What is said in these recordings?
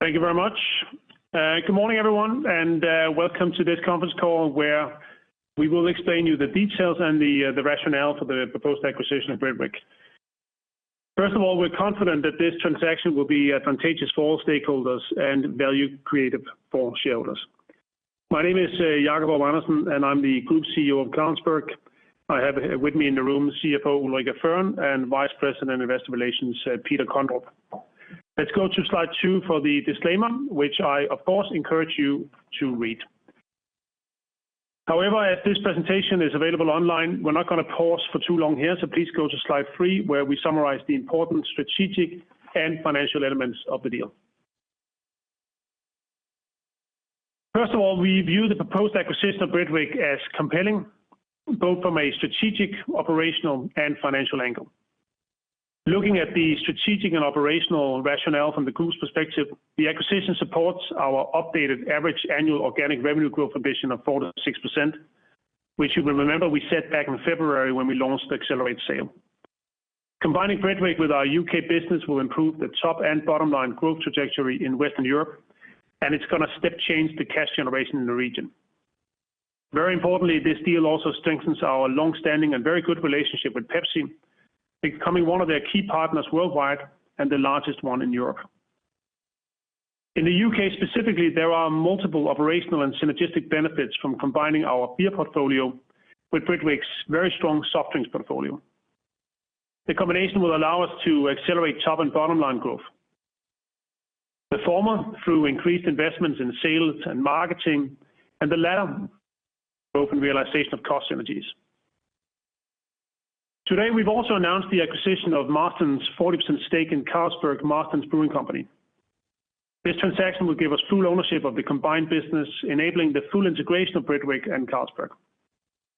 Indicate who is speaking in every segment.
Speaker 1: Thank you very much. Good morning, everyone, and welcome to this conference call where we will explain to you the details and the rationale for the proposed acquisition of Britvic. First of all, we're confident that this transaction will be advantageous for all stakeholders and value-creative for shareholders. My name is Jacob Aarup-Andersen, and I'm the Group CEO of Carlsberg. I have with me in the room CFO Ulrica Fearn and Vice President, Investor Relations Peter Kondrup. Let's go to slide two for the disclaimer, which I, of course, encourage you to read. However, as this presentation is available online, we're not going to pause for too long here, so please go to slide three where we summarize the important strategic and financial elements of the deal. First of all, we view the proposed acquisition of Britvic as compelling both from a strategic, operational, and financial angle. Looking at the strategic and operational rationale from the group's perspective, the acquisition supports our updated average annual organic revenue growth ambition of 4%-6%, which you will remember we set back in February when we launched the Accelerate SAIL. Combining Britvic with our UK business will improve the top and bottom line growth trajectory in Western Europe, and it's going to step change the cash generation in the region. Very importantly, this deal also strengthens our longstanding and very good relationship with Pepsi, becoming one of their key partners worldwide and the largest one in Europe. In the UK specifically, there are multiple operational and synergistic benefits from combining our beer portfolio with Britvic's very strong soft drinks portfolio. The combination will allow us to accelerate top and bottom line growth, the former through increased investments in sales and marketing, and the latter growth and realization of cost synergies. Today, we've also announced the acquisition of Marston’s 40% stake in Carlsberg Marston’s Brewing Company. This transaction will give us full ownership of the combined business, enabling the full integration of Britvic and Carlsberg.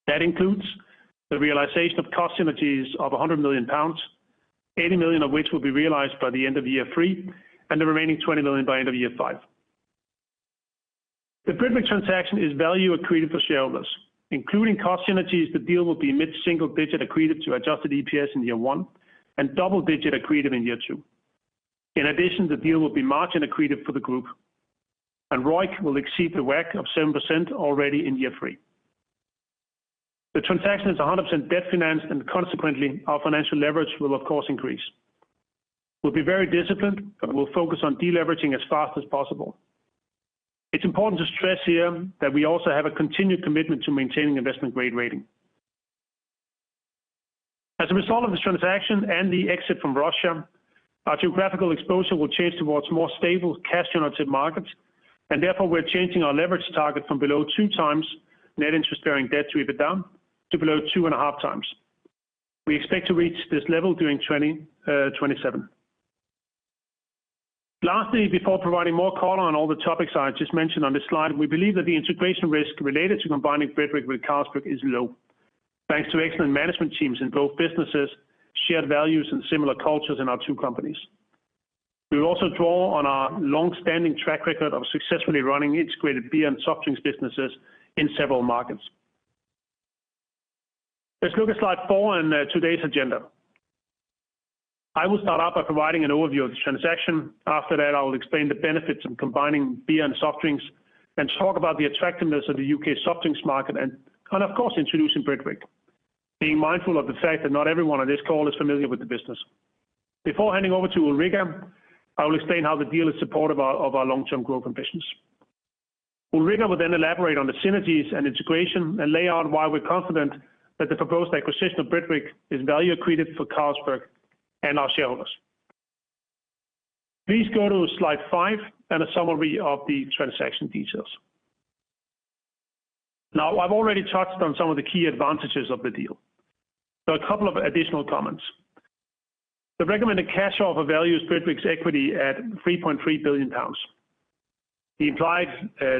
Speaker 1: That includes the realization of cost synergies of 100 million pounds, 80 million of which will be realized by the end of year three, and the remaining 20 million by end of year five. The Britvic transaction is value accretive for shareholders, including cost synergies. The deal will be mid-single digit accretive to adjusted EPS in year one and double digit accretive in year two. In addition, the deal will be margin accretive for the group, and ROIC will exceed the WACC of 7% already in year three. The transaction is 100% debt financed, and consequently, our financial leverage will, of course, increase. We'll be very disciplined, but we'll focus on deleveraging as fast as possible. It's important to stress here that we also have a continued commitment to maintaining investment-grade rating. As a result of this transaction and the exit from Russia, our geographic exposure will change towards more stable cash-generative markets, and therefore we're changing our leverage target from below 2x net interest-bearing debt to even down to below 2.5x. We expect to reach this level during 2027. Lastly, before providing more color on all the topics I just mentioned on this slide, we believe that the integration risk related to combining Britvic with Carlsberg is low, thanks to excellent management teams in both businesses, shared values, and similar cultures in our two companies. We will also draw on our longstanding track record of successfully running integrated beer and soft drinks businesses in several markets. Let's look at slide 4 and today's agenda. I will start out by providing an overview of the transaction. After that, I will explain the benefits of combining beer and soft drinks and talk about the attractiveness of the UK soft drinks market and, of course, introducing Britvic, being mindful of the fact that not everyone on this call is familiar with the business. Before handing over to Ulrica, I will explain how the deal is supportive of our long-term growth ambitions. Ulrica will then elaborate on the synergies and integration and lay out why we're confident that the proposed acquisition of Britvic is value accretive for Carlsberg and our shareholders. Please go to slide 5 and a summary of the transaction details. Now, I've already touched on some of the key advantages of the deal. There are a couple of additional comments. The recommended cash offer values Britvic's equity at 3.3 billion pounds. The implied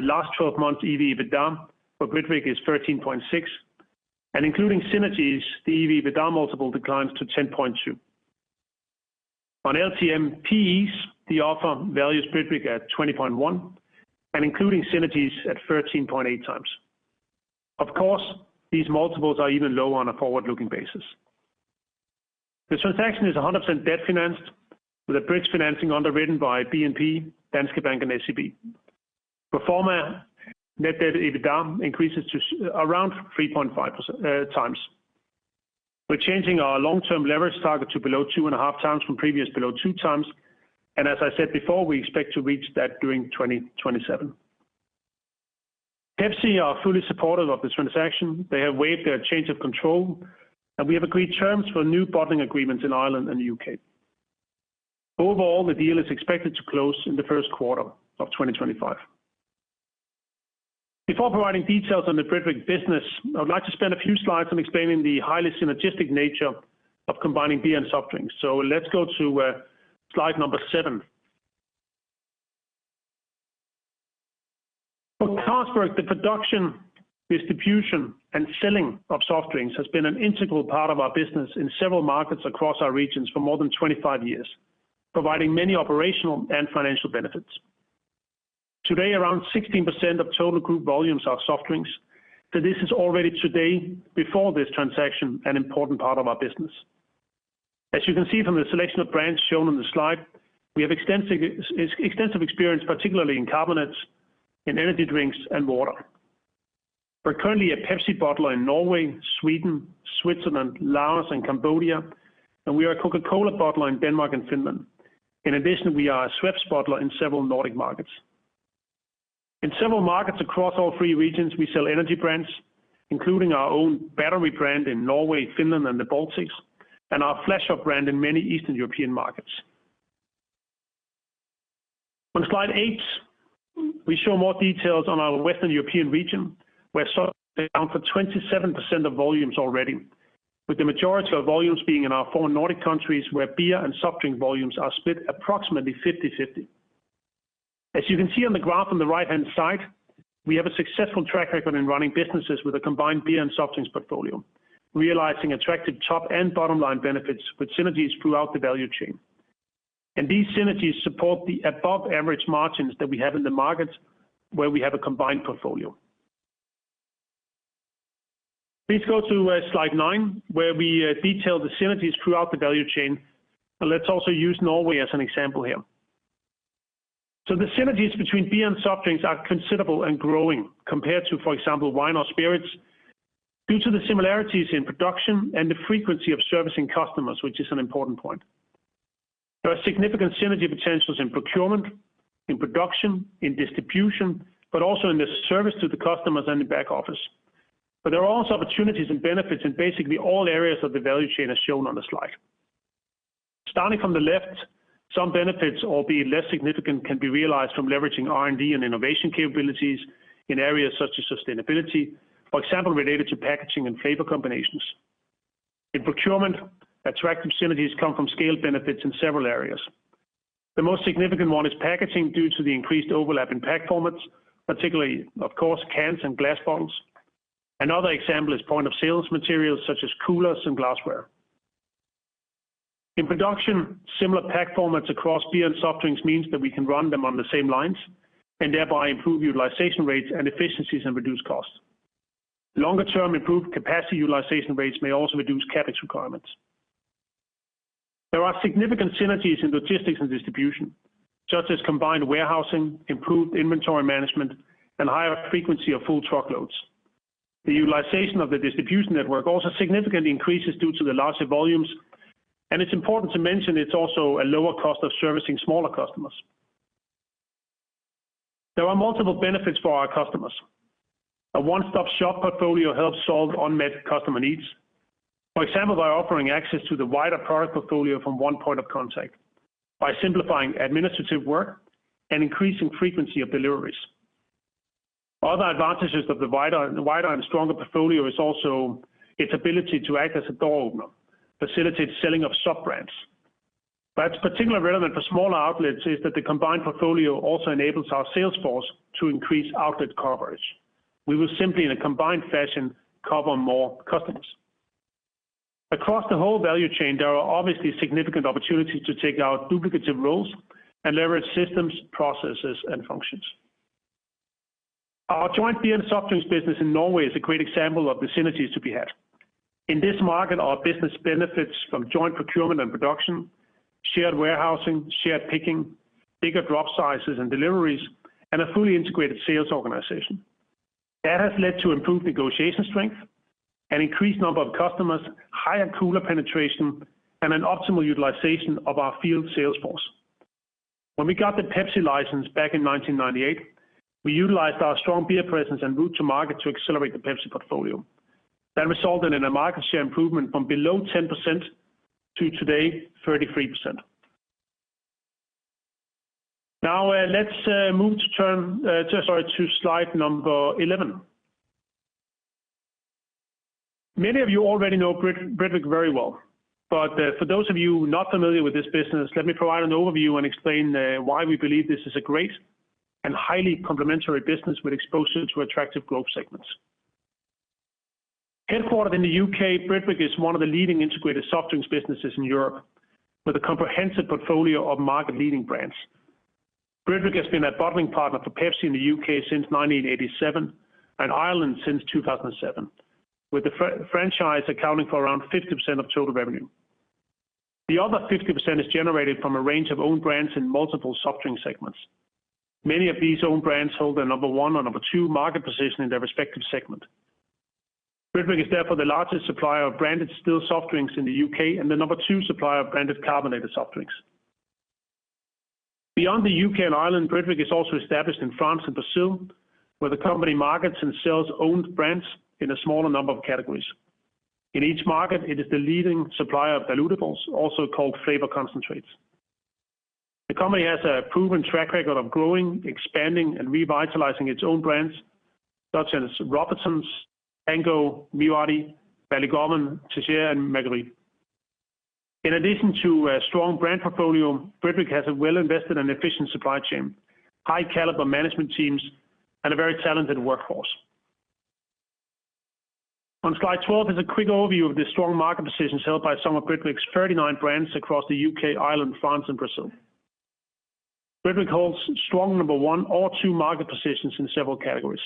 Speaker 1: last 12 months EV/EBITDA for Britvic is 13.6, and including synergies, the EV/EBITDA multiple declines to 10.2. On LTM P/E, the offer values Britvic at 20.1 and including synergies at 13.8x. Of course, these multiples are even lower on a forward-looking basis. The transaction is 100% debt financed with a bridge financing underwritten by BNP, Danske Bank, and SEB. Pro forma net debt to EBITDA increases to around 3.5x. We're changing our long-term leverage target to below 2.5x from previous below 2x, and as I said before, we expect to reach that during 2027. Pepsi are fully supportive of the transaction. They have waived their change of control, and we have agreed terms for new bottling agreements in Ireland and the UK. Overall, the deal is expected to close in the first quarter of 2025. Before providing details on the Britvic business, I would like to spend a few slides on explaining the highly synergistic nature of combining beer and soft drinks. Let's go to slide number 7. For Carlsberg, the production, distribution, and selling of soft drinks has been an integral part of our business in several markets across our regions for more than 25 years, providing many operational and financial benefits. Today, around 16% of total group volumes are soft drinks, so this is already today, before this transaction, an important part of our business. As you can see from the selection of brands shown on the slide, we have extensive experience, particularly in carbonates, in energy drinks, and water. We're currently a Pepsi bottler in Norway, Sweden, Switzerland, Laos, and Cambodia, and we are a Coca-Cola bottler in Denmark and Finland. In addition, we are a Schweppes bottler in several Nordic markets. In several markets across all three regions, we sell energy brands, including our own Battery brand in Norway, Finland, and the Baltics, and our flagship brand in many Eastern European markets. On slide 8, we show more details on our Western European region, where we're down to 27% of volumes already, with the majority of volumes being in our four Nordic countries, where beer and soft drink volumes are split approximately 50/50. As you can see on the graph on the right-hand side, we have a successful track record in running businesses with a combined beer and soft drinks portfolio, realizing attractive top and bottom line benefits with synergies throughout the value chain. These synergies support the above-average margins that we have in the markets where we have a combined portfolio. Please go to slide nine, where we detail the synergies throughout the value chain, and let's also use Norway as an example here. So the synergies between beer and soft drinks are considerable and growing compared to, for example, wine or spirits due to the similarities in production and the frequency of servicing customers, which is an important point. There are significant synergy potentials in procurement, in production, in distribution, but also in the service to the customers and the back office. But there are also opportunities and benefits in basically all areas of the value chain as shown on the slide. Starting from the left, some benefits, albeit less significant, can be realized from leveraging R&D and innovation capabilities in areas such as sustainability, for example, related to packaging and flavor combinations. In procurement, attractive synergies come from scaled benefits in several areas. The most significant one is packaging due to the increased overlap in pack formats, particularly, of course, cans and glass bottles. Another example is point-of-sale materials such as coolers and glassware. In production, similar pack formats across beer and soft drinks means that we can run them on the same lines and thereby improve utilization rates and efficiencies and reduce costs. Longer-term improved capacity utilization rates may also reduce CapEx requirements. There are significant synergies in logistics and distribution, such as combined warehousing, improved inventory management, and higher frequency of full truckloads. The utilization of the distribution network also significantly increases due to the larger volumes, and it's important to mention it's also a lower cost of servicing smaller customers. There are multiple benefits for our customers. A one-stop-shop portfolio helps solve unmet customer needs, for example, by offering access to the wider product portfolio from one point of contact, by simplifying administrative work, and increasing frequency of deliveries. Other advantages of the wider and stronger portfolio are also its ability to act as a door opener, facilitate selling of sub-brands. What's particularly relevant for smaller outlets is that the combined portfolio also enables our sales force to increase outlet coverage. We will simply, in a combined fashion, cover more customers. Across the whole value chain, there are obviously significant opportunities to take our duplicative roles and leverage systems, processes, and functions. Our joint beer and soft drinks business in Norway is a great example of the synergies to be had. In this market, our business benefits from joint procurement and production, shared warehousing, shared picking, bigger drop sizes and deliveries, and a fully integrated sales organization. That has led to improved negotiation strength, an increased number of customers, higher cooler penetration, and an optimal utilization of our field sales force. When we got the Pepsi license back in 1998, we utilized our strong beer presence and route to market to accelerate the Pepsi portfolio. That resulted in a market share improvement from below 10% to today, 33%. Now, let's move to slide number 11. Many of you already know Britvic very well, but for those of you not familiar with this business, let me provide an overview and explain why we believe this is a great and highly complementary business with exposure to attractive growth segments. Headquartered in the UK, Britvic is one of the leading integrated soft drinks businesses in Europe with a comprehensive portfolio of market-leading brands. Britvic has been a bottling partner for Pepsi in the U.K. since 1987 and Ireland since 2007, with the franchise accounting for around 50% of total revenue. The other 50% is generated from a range of owned brands in multiple soft drink segments. Many of these owned brands hold a number one or number two market position in their respective segment. Britvic is therefore the largest supplier of branded still soft drinks in the U.K. and the number two supplier of branded carbonated soft drinks. Beyond the U.K. and Ireland, Britvic is also established in France and Brazil, where the company markets and sells owned brands in a smaller number of categories. In each market, it is the leading supplier of dilutables, also called flavor concentrates. The company has a proven track record of growing, expanding, and revitalizing its own brands, such as Robinsons, Tango, MiWadi, Ballygowan, Teisseire, and Maguary. In addition to a strong brand portfolio, Britvic has a well-invested and efficient supply chain, high-caliber management teams, and a very talented workforce. On slide 12 is a quick overview of the strong market positions held by some of Britvic's 39 brands across the UK, Ireland, France, and Brazil. Britvic holds strong number one or two market positions in several categories.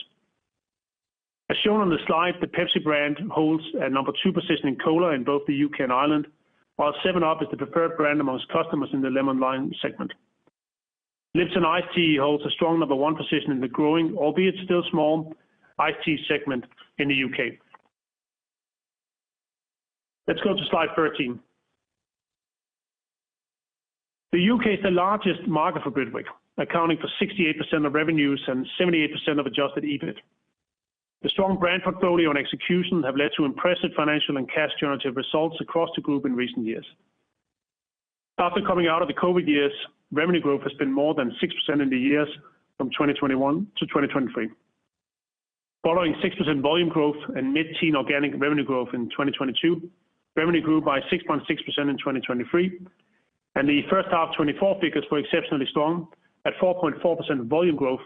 Speaker 1: As shown on the slide, the Pepsi brand holds a number two position in cola in both the UK and Ireland, while 7UP is the preferred brand amongst customers in the lemon line segment. Lipton Iced Tea holds a strong number one position in the growing, albeit still small, iced tea segment in the UK. Let's go to slide 13. The UK is the largest market for Britvic, accounting for 68% of revenues and 78% of adjusted EBIT. The strong brand portfolio and execution have led to impressive financial and cash-generative results across the group in recent years. After coming out of the COVID years, revenue growth has been more than 6% in the years from 2021 to 2023. Following 6% volume growth and mid-teen organic revenue growth in 2022, revenue grew by 6.6% in 2023, and the first half 2024 figures were exceptionally strong at 4.4% volume growth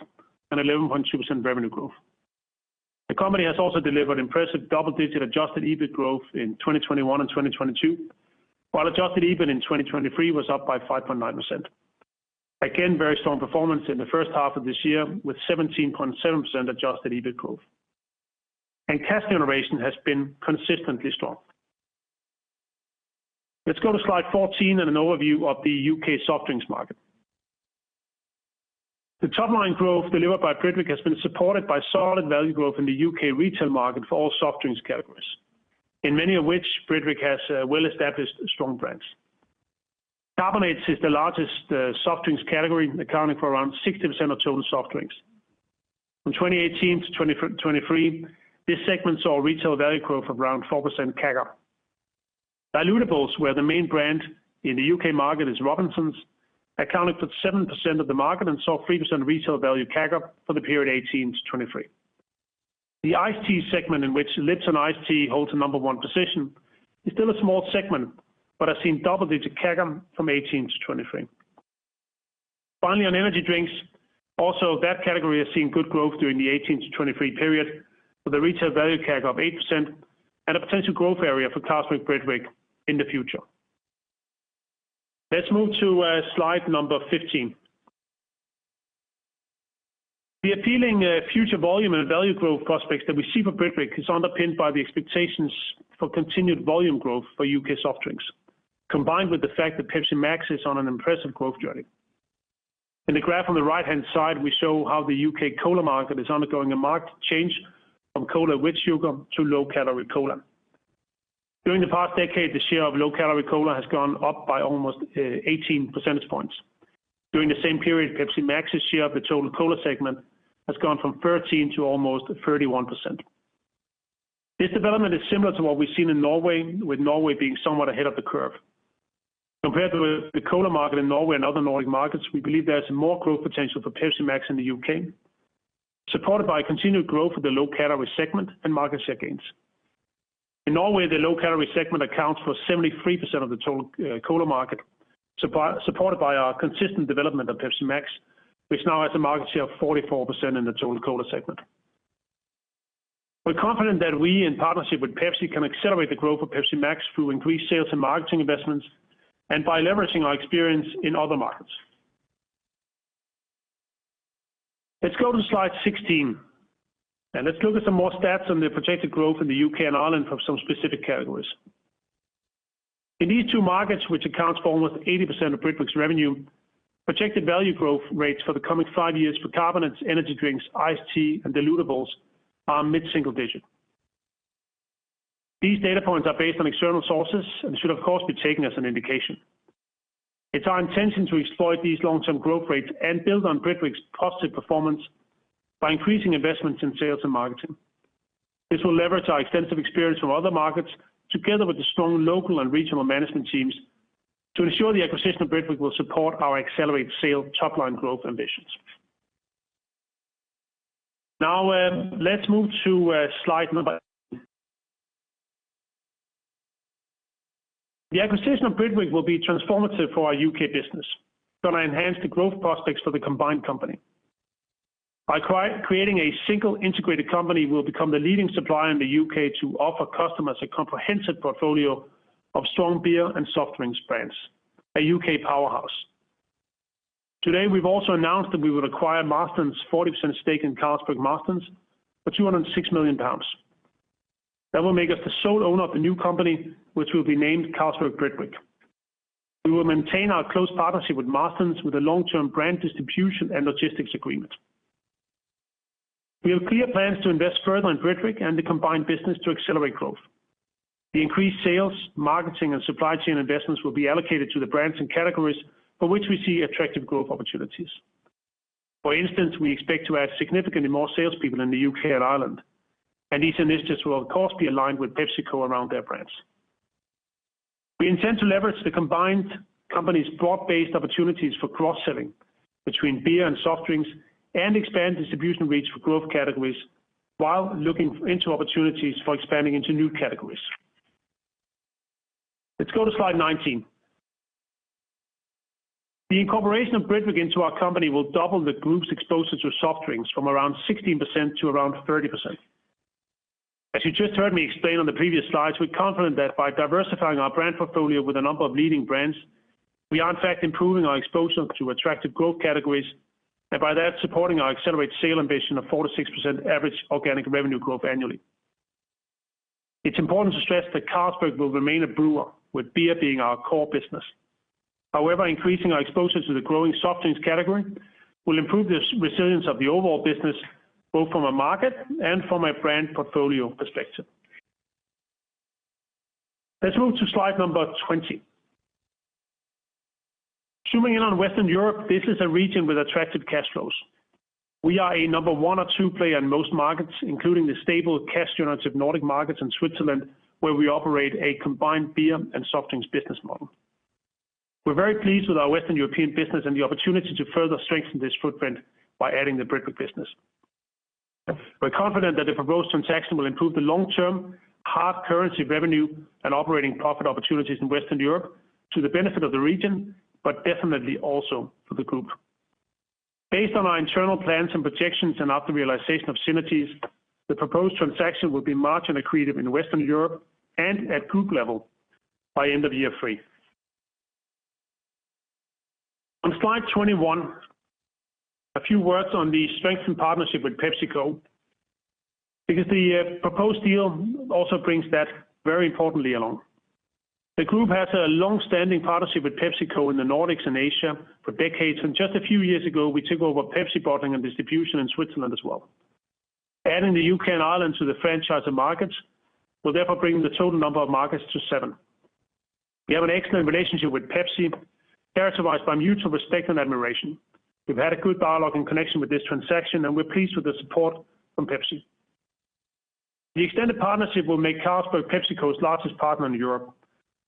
Speaker 1: and 11.2% revenue growth. The company has also delivered impressive double-digit adjusted EBIT growth in 2021 and 2022, while adjusted EBIT in 2023 was up by 5.9%. Again, very strong performance in the first half of this year with 17.7% adjusted EBIT growth. Cash generation has been consistently strong. Let's go to slide 14 and an overview of the UK soft drinks market. The top-line growth delivered by Britvic has been supported by solid value growth in the UK retail market for all soft drinks categories, in many of which Britvic has well-established strong brands. Carbonates is the largest soft drinks category, accounting for around 60% of total soft drinks. From 2018 to 2023, this segment saw retail value growth of around 4% CAGR. Diluteables were the main brand in the UK market as Robinsons, accounting for 7% of the market and saw 3% retail value CAGR for the period 2018 to 2023. The iced tea segment, in which Lipton Iced Tea holds a number one position, is still a small segment but has seen double-digit CAGR from 2018 to 2023. Finally, on energy drinks, also that category has seen good growth during the 2018 to 2023 period with a retail value CAGR of 8% and a potential growth area for Carlsberg Britvic in the future. Let's move to slide number 15. The appealing future volume and value growth prospects that we see for Britvic are underpinned by the expectations for continued volume growth for UK soft drinks, combined with the fact that Pepsi MAX is on an impressive growth journey. In the graph on the right-hand side, we show how the UK cola market is undergoing a marked change from cola with sugar to low-calorie cola. During the past decade, the share of low-calorie cola has gone up by almost 18 percentage points. During the same period, Pepsi MAX's share of the total cola segment has gone from 13% to almost 31%. This development is similar to what we've seen in Norway, with Norway being somewhat ahead of the curve. Compared to the cola market in Norway and other Nordic markets, we believe there is more growth potential for Pepsi MAX in the UK, supported by continued growth of the low-calorie segment and market share gains. In Norway, the low-calorie segment accounts for 73% of the total cola market, supported by our consistent development of Pepsi MAX, which now has a market share of 44% in the total cola segment. We're confident that we, in partnership with Pepsi, can accelerate the growth of Pepsi MAX through increased sales and marketing investments and by leveraging our experience in other markets. Let's go to slide 16, and let's look at some more stats on the projected growth in the UK and Ireland for some specific categories. In these two markets, which account for almost 80% of Britvic's revenue, projected value growth rates for the coming five years for carbonates, energy drinks, iced tea, and dilutable are mid-single digit. These data points are based on external sources and should, of course, be taken as an indication. It's our intention to exploit these long-term growth rates and build on Britvic's positive performance by increasing investments in sales and marketing. This will leverage our extensive experience from other markets, together with the strong local and regional management teams, to ensure the acquisition of Britvic will support our Accelerate SAIL top-line growth ambitions. Now, let's move to slide 18. The acquisition of Britvic will be transformative for our UK business. It's going to enhance the growth prospects for the combined company. By creating a single integrated company, we'll become the leading supplier in the UK to offer customers a comprehensive portfolio of strong beer and soft drinks brands, a UK powerhouse. Today, we've also announced that we will acquire Marston's 40% stake in Carlsberg Marston's for 206 million pounds. That will make us the sole owner of the new company, which will be named Carlsberg Britvic. We will maintain our close partnership with Marston's with a long-term brand distribution and logistics agreement. We have clear plans to invest further in Britvic and the combined business to accelerate growth. The increased sales, marketing, and supply chain investments will be allocated to the brands and categories for which we see attractive growth opportunities. For instance, we expect to add significantly more salespeople in the UK and Ireland, and these initiatives will, of course, be aligned with PepsiCo around their brands. We intend to leverage the combined company's broad-based opportunities for cross-selling between beer and soft drinks and expand distribution reach for growth categories while looking into opportunities for expanding into new categories. Let's go to slide 19. The incorporation of Britvic into our company will double the group's exposure to soft drinks from around 16% to around 30%. As you just heard me explain on the previous slides, we're confident that by diversifying our brand portfolio with a number of leading brands, we are, in fact, improving our exposure to attractive growth categories and by that supporting our accelerated sales ambition of 4%-6% average organic revenue growth annually. It's important to stress that Carlsberg will remain a brewer, with beer being our core business. However, increasing our exposure to the growing soft drinks category will improve the resilience of the overall business, both from a market and from a brand portfolio perspective. Let's move to slide number 20. Zooming in on Western Europe, this is a region with attractive cash flows. We are a number one or two player in most markets, including the stable cash-generative Nordic markets and Switzerland, where we operate a combined beer and soft drinks business model. We're very pleased with our Western European business and the opportunity to further strengthen this footprint by adding the Britvic business. We're confident that the proposed transaction will improve the long-term hard currency revenue and operating profit opportunities in Western Europe to the benefit of the region, but definitely also for the group. Based on our internal plans and projections and after realization of synergies, the proposed transaction will be margin accretive in Western Europe and at group level by end of year 3. On slide 21, a few words on the strengthened partnership with PepsiCo, because the proposed deal also brings that very importantly along. The group has a long-standing partnership with PepsiCo in the Nordics and Asia for decades, and just a few years ago, we took over Pepsi bottling and distribution in Switzerland as well. Adding the UK and Ireland to the franchise and markets will therefore bring the total number of markets to 7. We have an excellent relationship with Pepsi, characterized by mutual respect and admiration. We've had a good dialogue and connection with this transaction, and we're pleased with the support from Pepsi. The extended partnership will make Carlsberg PepsiCo's largest partner in Europe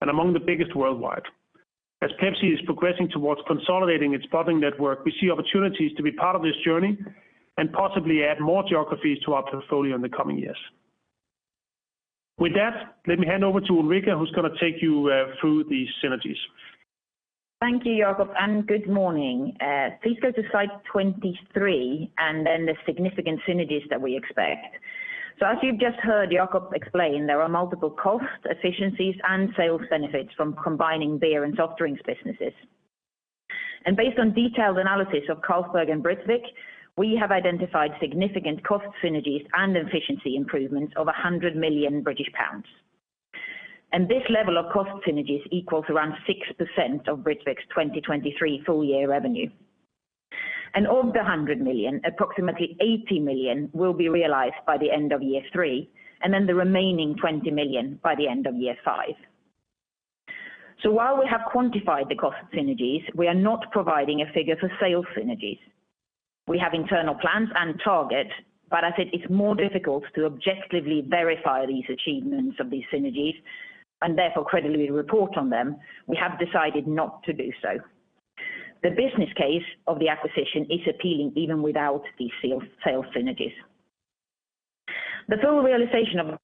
Speaker 1: and among the biggest worldwide. As Pepsi is progressing towards consolidating its bottling network, we see opportunities to be part of this journey and possibly add more geographies to our portfolio in the coming years. With that, let me hand over to Ulrica, who's going to take you through these synergies.
Speaker 2: Thank you, Jacob, and good morning. Please go to slide 23 and then the significant synergies that we expect. So, as you've just heard Jacob explain, there are multiple costs, efficiencies, and sales benefits from combining beer and soft drinks businesses. And based on detailed analysis of Carlsberg and Britvic, we have identified significant cost synergies and efficiency improvements of 100 million British pounds. And this level of cost synergies equals around 6% of Britvic's 2023 full-year revenue. And of the 100 million, approximately 80 million will be realized by the end of year three, and then the remaining 20 million by the end of year five. So, while we have quantified the cost synergies, we are not providing a figure for sales synergies. We have internal plans and targets, but as it is more difficult to objectively verify these achievements of these synergies and therefore credibly report on them, we have decided not to do so. The business case of the acquisition is appealing even without these sales synergies. The full realization of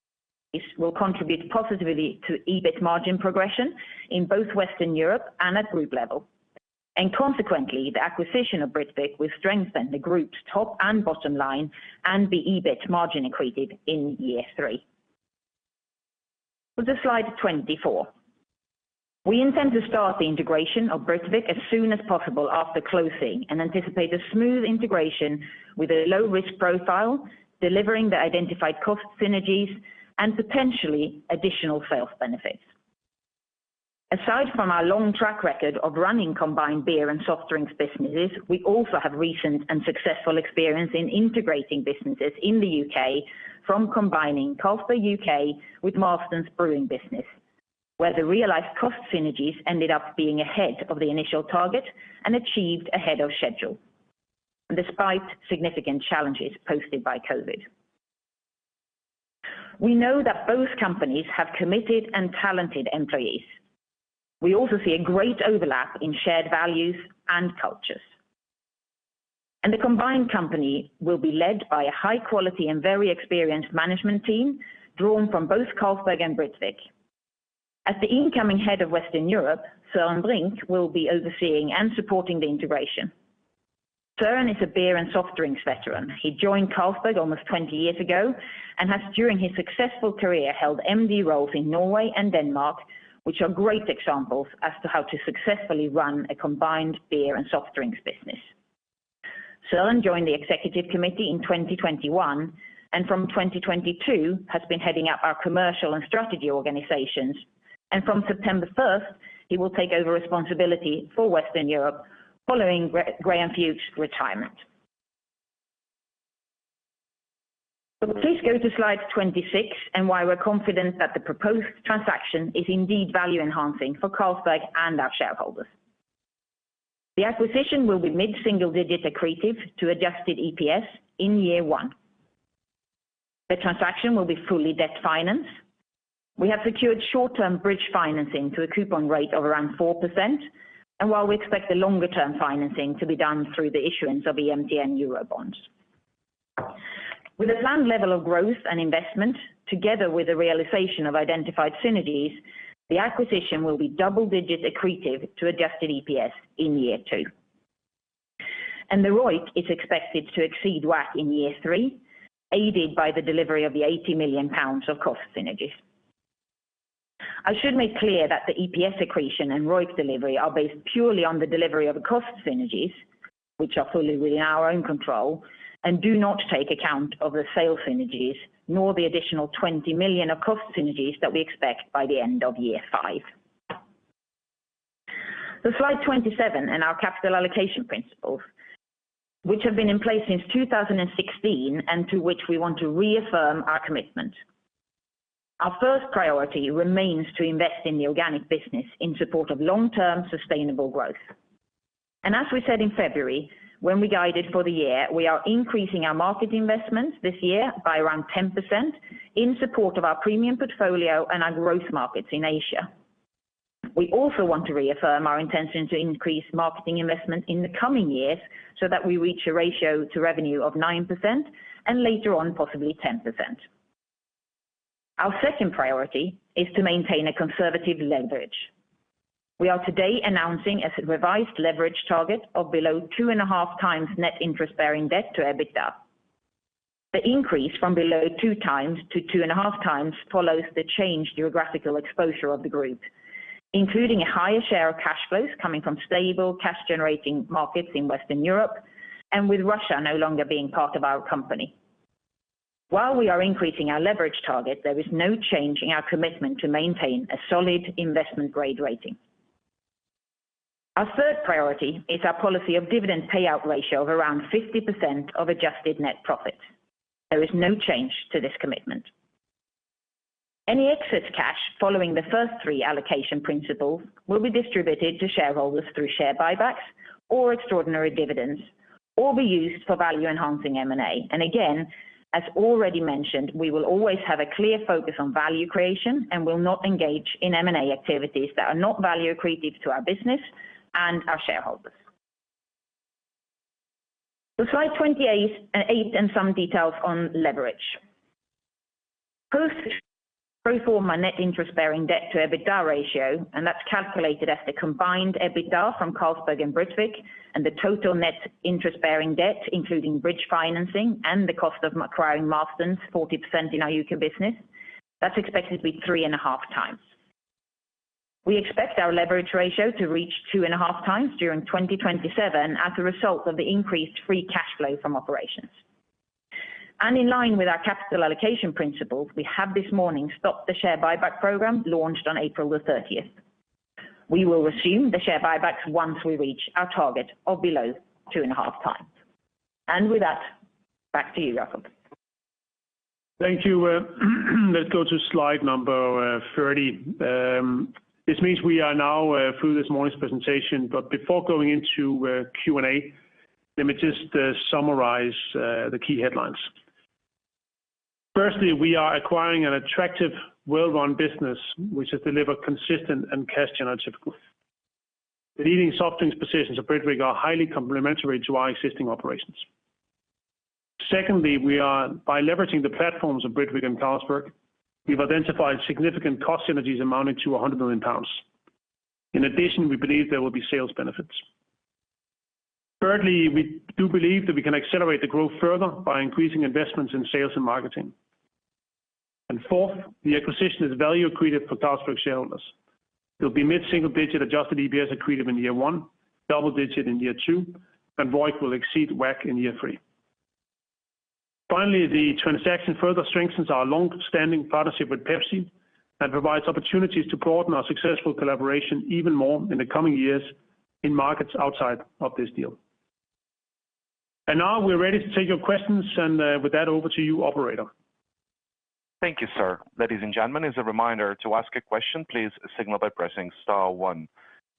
Speaker 2: these will contribute positively to EBIT margin progression in both Western Europe and at group level. And consequently, the acquisition of Britvic will strengthen the group's top and bottom line and the EBIT margin accretive in year three. To slide 24, we intend to start the integration of Britvic as soon as possible after closing and anticipate a smooth integration with a low-risk profile, delivering the identified cost synergies and potentially additional sales benefits. Aside from our long track record of running combined beer and soft drinks businesses, we also have recent and successful experience in integrating businesses in the UK from combining Carlsberg UK with Marston's brewing business, where the realized cost synergies ended up being ahead of the initial target and achieved ahead of schedule, despite significant challenges posted by COVID. We know that both companies have committed and talented employees. We also see a great overlap in shared values and cultures. The combined company will be led by a high-quality and very experienced management team drawn from both Carlsberg and Britvic. As the incoming head of Western Europe, Søren Brinck, will be overseeing and supporting the integration. Søren is a beer and soft drinks veteran. He joined Carlsberg almost 20 years ago and has, during his successful career, held MD roles in Norway and Denmark, which are great examples as to how to successfully run a combined beer and soft drinks business. Søren joined the executive committee in 2021 and from 2022 has been heading up our commercial and strategy organizations. From September 1st, he will take over responsibility for Western Europe following Graham Fewkes' retirement. Please go to slide 26 and why we're confident that the proposed transaction is indeed value-enhancing for Carlsberg and our shareholders. The acquisition will be mid-single digit accretive to adjusted EPS in year one. The transaction will be fully debt financed. We have secured short-term bridge financing to a coupon rate of around 4%, and while we expect the longer-term financing to be done through the issuance of EMTN Euro bonds. With a planned level of growth and investment, together with the realization of identified synergies, the acquisition will be double-digit accretive to adjusted EPS in year 2. The ROIC is expected to exceed WACC in year 3, aided by the delivery of the 80 million pounds of cost synergies. I should make clear that the EPS accretion and ROIC delivery are based purely on the delivery of the cost synergies, which are fully within our own control and do not take account of the sales synergies, nor the additional 20 million of cost synergies that we expect by the end of year 5. To slide 27 and our capital allocation principles, which have been in place since 2016 and to which we want to reaffirm our commitment. Our first priority remains to invest in the organic business in support of long-term sustainable growth. As we said in February, when we guided for the year, we are increasing our market investments this year by around 10% in support of our premium portfolio and our growth markets in Asia. We also want to reaffirm our intention to increase marketing investment in the coming years so that we reach a ratio to revenue of 9% and later on, possibly 10%. Our second priority is to maintain a conservative leverage. We are today announcing a revised leverage target of below 2.5x net interest-bearing debt to EBITDA. The increase from below 2x to 2.5x follows the changed geographical exposure of the group, including a higher share of cash flows coming from stable cash-generating markets in Western Europe and with Russia no longer being part of our company. While we are increasing our leverage target, there is no change in our commitment to maintain a solid investment-grade rating. Our third priority is our policy of dividend payout ratio of around 50% of adjusted net profit. There is no change to this commitment. Any excess cash following the first three allocation principles will be distributed to shareholders through share buybacks or extraordinary dividends or be used for value-enhancing M&A. And again, as already mentioned, we will always have a clear focus on value creation and will not engage in M&A activities that are not value-accretive to our business and our shareholders. To slide 28 and some details on leverage. First, we'll form a net interest-bearing debt to EBITDA ratio, and that's calculated as the combined EBITDA from Carlsberg and Britvic and the total net interest-bearing debt, including bridge financing and the cost of acquiring Marston’s 40% in our UK business. That's expected to be 3.5x. We expect our leverage ratio to reach 2.5x during 2027 as a result of the increased free cash flow from operations. In line with our capital allocation principles, we have this morning stopped the share buyback program launched on April 30th. We will resume the share buybacks once we reach our target of below 2.5x. With that, back to you, Jacob.
Speaker 1: Thank you. Let's go to slide number 30. This means we are now through this morning's presentation. Before going into Q&A, let me just summarize the key headlines. Firstly, we are acquiring an attractive, well-run business, which has delivered consistent and cash-generative growth. The leading soft drinks positions of Britvic are highly complementary to our existing operations. Secondly, by leveraging the platforms of Britvic and Carlsberg, we've identified significant cost synergies amounting to 100 million pounds. In addition, we believe there will be sales benefits. Thirdly, we do believe that we can accelerate the growth further by increasing investments in sales and marketing. Fourth, the acquisition is value-accretive for Carlsberg shareholders. There'll be mid-single digit adjusted EPS accretive in year one, double-digit in year two, and ROIC will exceed WACC in year three. Finally, the transaction further strengthens our long-standing partnership with Pepsi and provides opportunities to broaden our successful collaboration even more in the coming years in markets outside of this deal. Now we're ready to take your questions, and with that, over to you, Operator.
Speaker 3: Thank you, sir. Ladies and gentlemen, as a reminder, to ask a question, please signal by pressing Star one.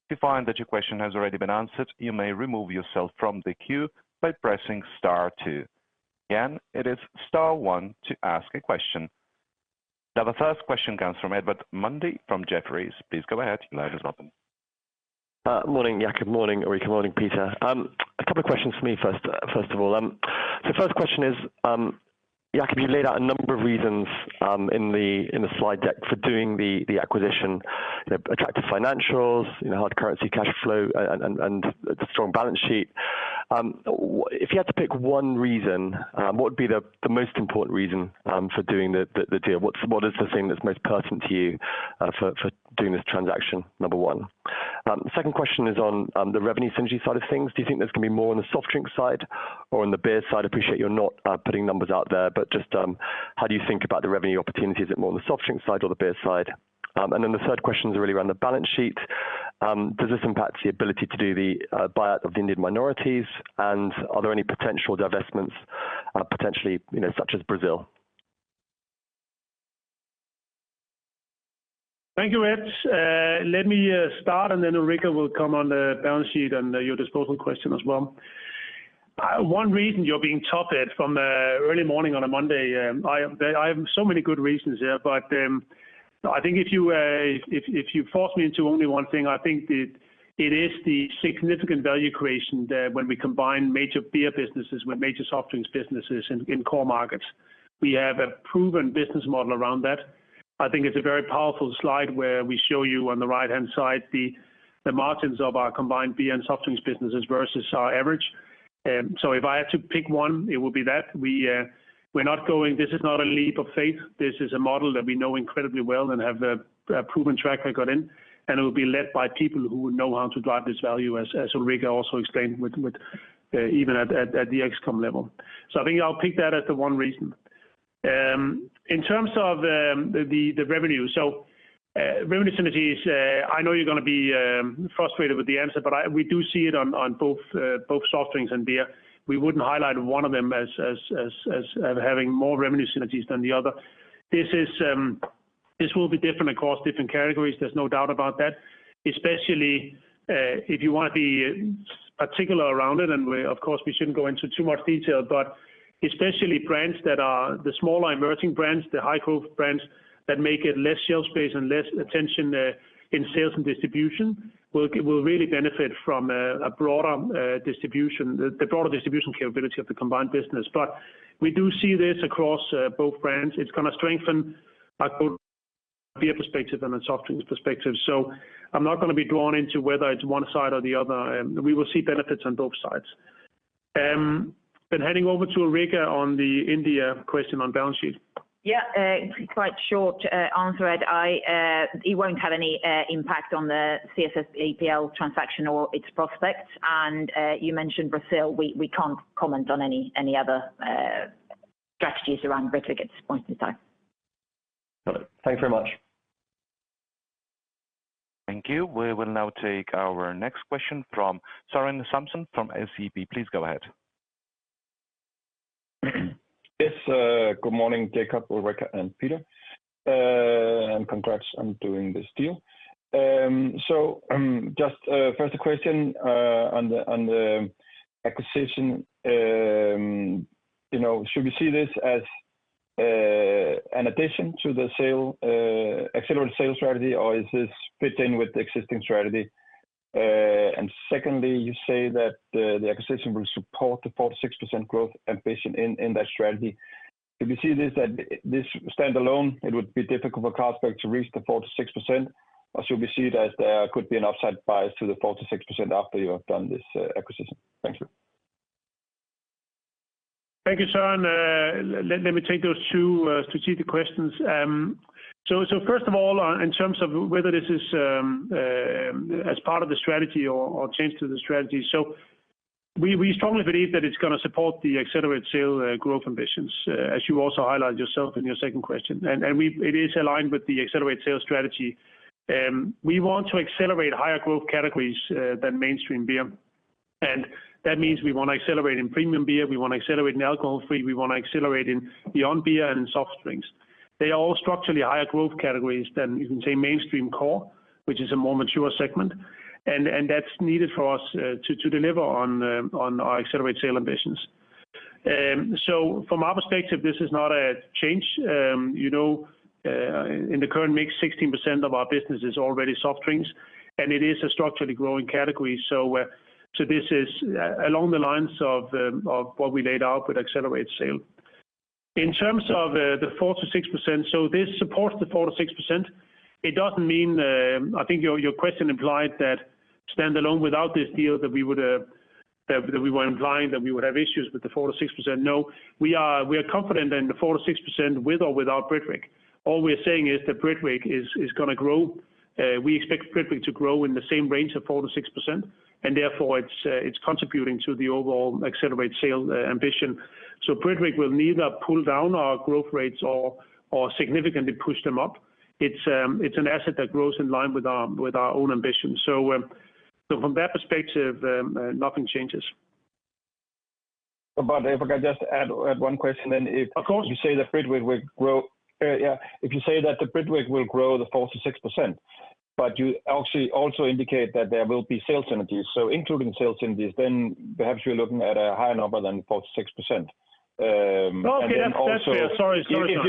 Speaker 3: If you find that your question has already been answered, you may remove yourself from the queue by pressing Star two. Again, it is Star one to ask a question. Now, the first question comes from Edward Mundy from Jefferies. Please go ahead. Your line is open.
Speaker 4: Morning, Jacob. Morning, Ulrica. Morning, Peter. A couple of questions for me first of all. First question is, Jacob, you laid out a number of reasons in the slide deck for doing the acquisition: attractive financials, hard currency cash flow, and a strong balance sheet. If you had to pick one reason, what would be the most important reason for doing the deal? What is the thing that's most pertinent to you for doing this transaction, number one? Second question is on the revenue synergy side of things. Do you think there's going to be more on the soft drink side or on the beer side? I appreciate you're not putting numbers out there, but just how do you think about the revenue opportunities? Is it more on the soft drink side or the beer side? And then the third question is really around the balance sheet. Does this impact the ability to do the buy-out of the Indian minorities, and are there any potential divestments, potentially such as Brazil?
Speaker 1: Thank you, Ed. Let me start, and then Ulrica will come on the balance sheet and your disposal question as well. One reason you're being talked to from early morning on a Monday, I have so many good reasons here, but I think if you force me into only one thing, I think it is the significant value creation when we combine major beer businesses with major soft drinks businesses in core markets. We have a proven business model around that. I think it's a very powerful slide where we show you on the right-hand side the margins of our combined beer and soft drinks businesses versus our average. So if I had to pick one, it would be that. This is not a leap of faith. This is a model that we know incredibly well and have a proven track record in, and it will be led by people who know how to drive this value, as Ulrica also explained even at the ex-com level. So I think I'll pick that as the one reason. In terms of the revenue, so revenue synergies, I know you're going to be frustrated with the answer, but we do see it on both soft drinks and beer. We wouldn't highlight one of them as having more revenue synergies than the other. This will be different across different categories. There's no doubt about that, especially if you want to be particular around it. And of course, we shouldn't go into too much detail, but especially brands that are the smaller emerging brands, the high-growth brands that make it less shelf space and less attention in sales and distribution will really benefit from a broader distribution, the broader distribution capability of the combined business. But we do see this across both brands. It's going to strengthen our beer perspective and the soft drinks perspective. So I'm not going to be drawn into whether it's one side or the other. We will see benefits on both sides. Then heading over to Ulrica on the India question on balance sheet.
Speaker 2: Yeah, quite short answer, Ed. It won't have any impact on the CSAPL transaction or its prospects. And you mentioned Brazil. We can't comment on any other strategies around Britvic at this point in time.
Speaker 4: Got it. Thanks very much.
Speaker 3: Thank you. We will now take our next question from Søren Samsøe from SEB. Please go ahead.
Speaker 5: Yes. Good morning, Jacob, Ulrica, and Peter. And congrats on doing this deal. So just first, a question on the acquisition. Should we see this as an addition to the Accelerate SAIL strategy, or is this fitting with the existing strategy? And secondly, you say that the acquisition will support the 46% growth ambition in that strategy. Should we see this standalone, it would be difficult for Carlsberg to reach the 46%, or should we see that there could be an upside bias to the 46% after you have done this acquisition? Thank you.
Speaker 1: Thank you, Søren. Let me take those two strategic questions. So first of all, in terms of whether this is as part of the strategy or changed to the strategy, so we strongly believe that it's going to support the accelerated sales growth ambitions, as you also highlighted yourself in your second question. And it is aligned with the accelerated sales strategy. We want to accelerate higher growth categories than mainstream beer. And that means we want to accelerate in premium beer. We want to accelerate in alcohol-free. We want to accelerate in beyond beer and in soft drinks. They are all structurally higher growth categories than you can say mainstream core, which is a more mature segment. That's needed for us to deliver on our accelerated sales ambitions. So from our perspective, this is not a change. In the current mix, 16% of our business is already soft drinks, and it is a structurally growing category. So this is along the lines of what we laid out with accelerated sales. In terms of the 4%-6%, so this supports the 4%-6%. It doesn't mean, I think your question implied that standalone without this deal, that we were implying that we would have issues with the 4%-6%. No, we are confident in the 4%-6% with or without Britvic. All we're saying is that Britvic is going to grow. We expect Britvic to grow in the same range of 4%-6%, and therefore it's contributing to the overall accelerated sales ambition. So Britvic will neither pull down our growth rates or significantly push them up. It's an asset that grows in line with our own ambition. So from that perspective, nothing changes.
Speaker 5: But if I can just add one question then.
Speaker 1: Of course.
Speaker 5: If you say that Britvic will grow, yeah, if you say that Britvic will grow the 4%-6%, but you also indicate that there will be sales synergies, so including sales synergies, then perhaps you're looking at a higher number than 4%-6%.
Speaker 1: Okay, that's fair, sorry Søren.
Speaker 5: If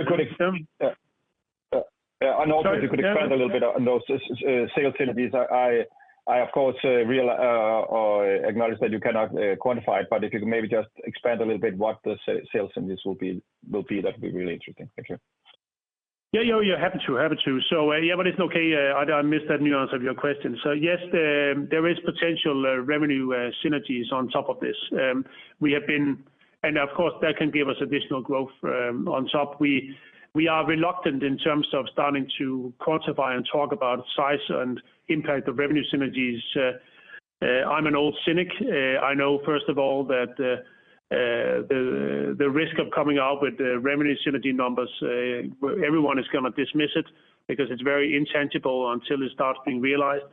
Speaker 5: you could expand a little bit on those sales synergies. I, of course, acknowledge that you cannot quantify it, but if you can maybe just expand a little bit what the sales synergies will be, that would be really interesting. Thank you.
Speaker 1: Yeah, yeah, yeah, happy to, happy to. So yeah, but it's okay. I missed that nuance of your question. So yes, there is potential revenue synergies on top of this. We have been, and of course, that can give us additional growth on top. We are reluctant in terms of starting to quantify and talk about size and impact of revenue synergies. I'm an old cynic. I know, first of all, that the risk of coming out with revenue synergy numbers, everyone is going to dismiss it because it's very intangible until it starts being realized.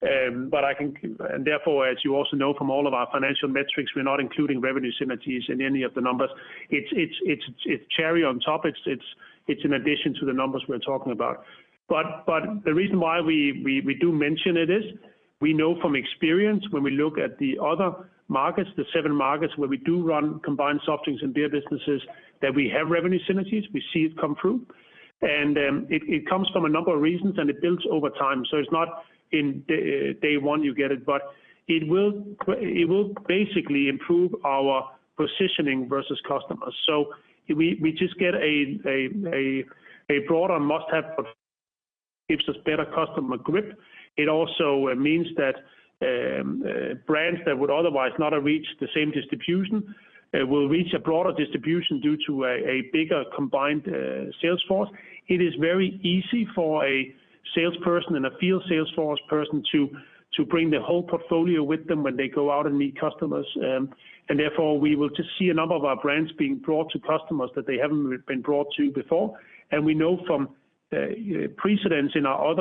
Speaker 1: But I can, and therefore, as you also know from all of our financial metrics, we're not including revenue synergies in any of the numbers. It's cherry on top. It's in addition to the numbers we're talking about. But the reason why we do mention it is we know from experience when we look at the other markets, the seven markets where we do run combined soft drinks and beer businesses, that we have revenue synergies. We see it come through. And it comes from a number of reasons, and it builds over time. So it's not in day one you get it, but it will basically improve our positioning versus customers. So we just get a broader must-have offer gives us better customer grip. It also means that brands that would otherwise not have reached the same distribution will reach a broader distribution due to a bigger combined sales force. It is very easy for a salesperson and a field sales force person to bring the whole portfolio with them when they go out and meet customers. And therefore, we will just see a number of our brands being brought to customers that they haven't been brought to before. And we know from precedents in our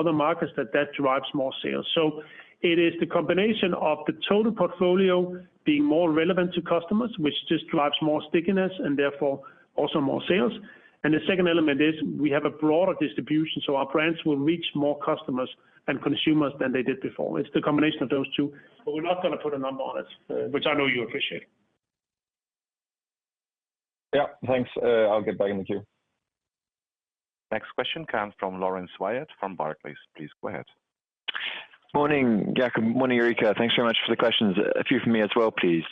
Speaker 1: other markets that that drives more sales. So it is the combination of the total portfolio being more relevant to customers, which just drives more stickiness and therefore also more sales. And the second element is we have a broader distribution, so our brands will reach more customers and consumers than they did before. It's the combination of those two. But we're not going to put a number on it, which I know you appreciate.
Speaker 5: Yeah, thanks. I'll get back in the queue.
Speaker 3: Next question comes from Lawrence Whyatt from Barclays. Please go ahead.
Speaker 6: Morning, Jacob. Morning, Ulrica. Thanks very much for the questions. A few from me as well, please.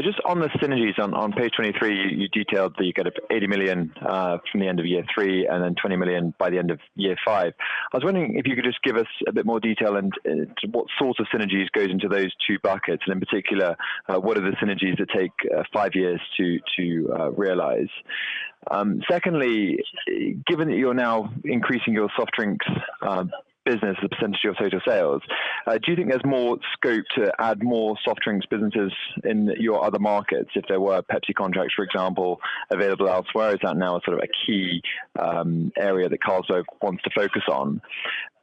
Speaker 6: Just on the synergies, on page 23, you detailed that you get 80 million from the end of year three and then 20 million by the end of year five. I was wondering if you could just give us a bit more detail and what sorts of synergies go into those two buckets, and in particular, what are the synergies that take five years to realize? Secondly, given that you're now increasing your soft drinks business, the percentage of total sales, do you think there's more scope to add more soft drinks businesses in your other markets if there were Pepsi contracts, for example, available elsewhere? Is that now sort of a key area that Carlsberg wants to focus on?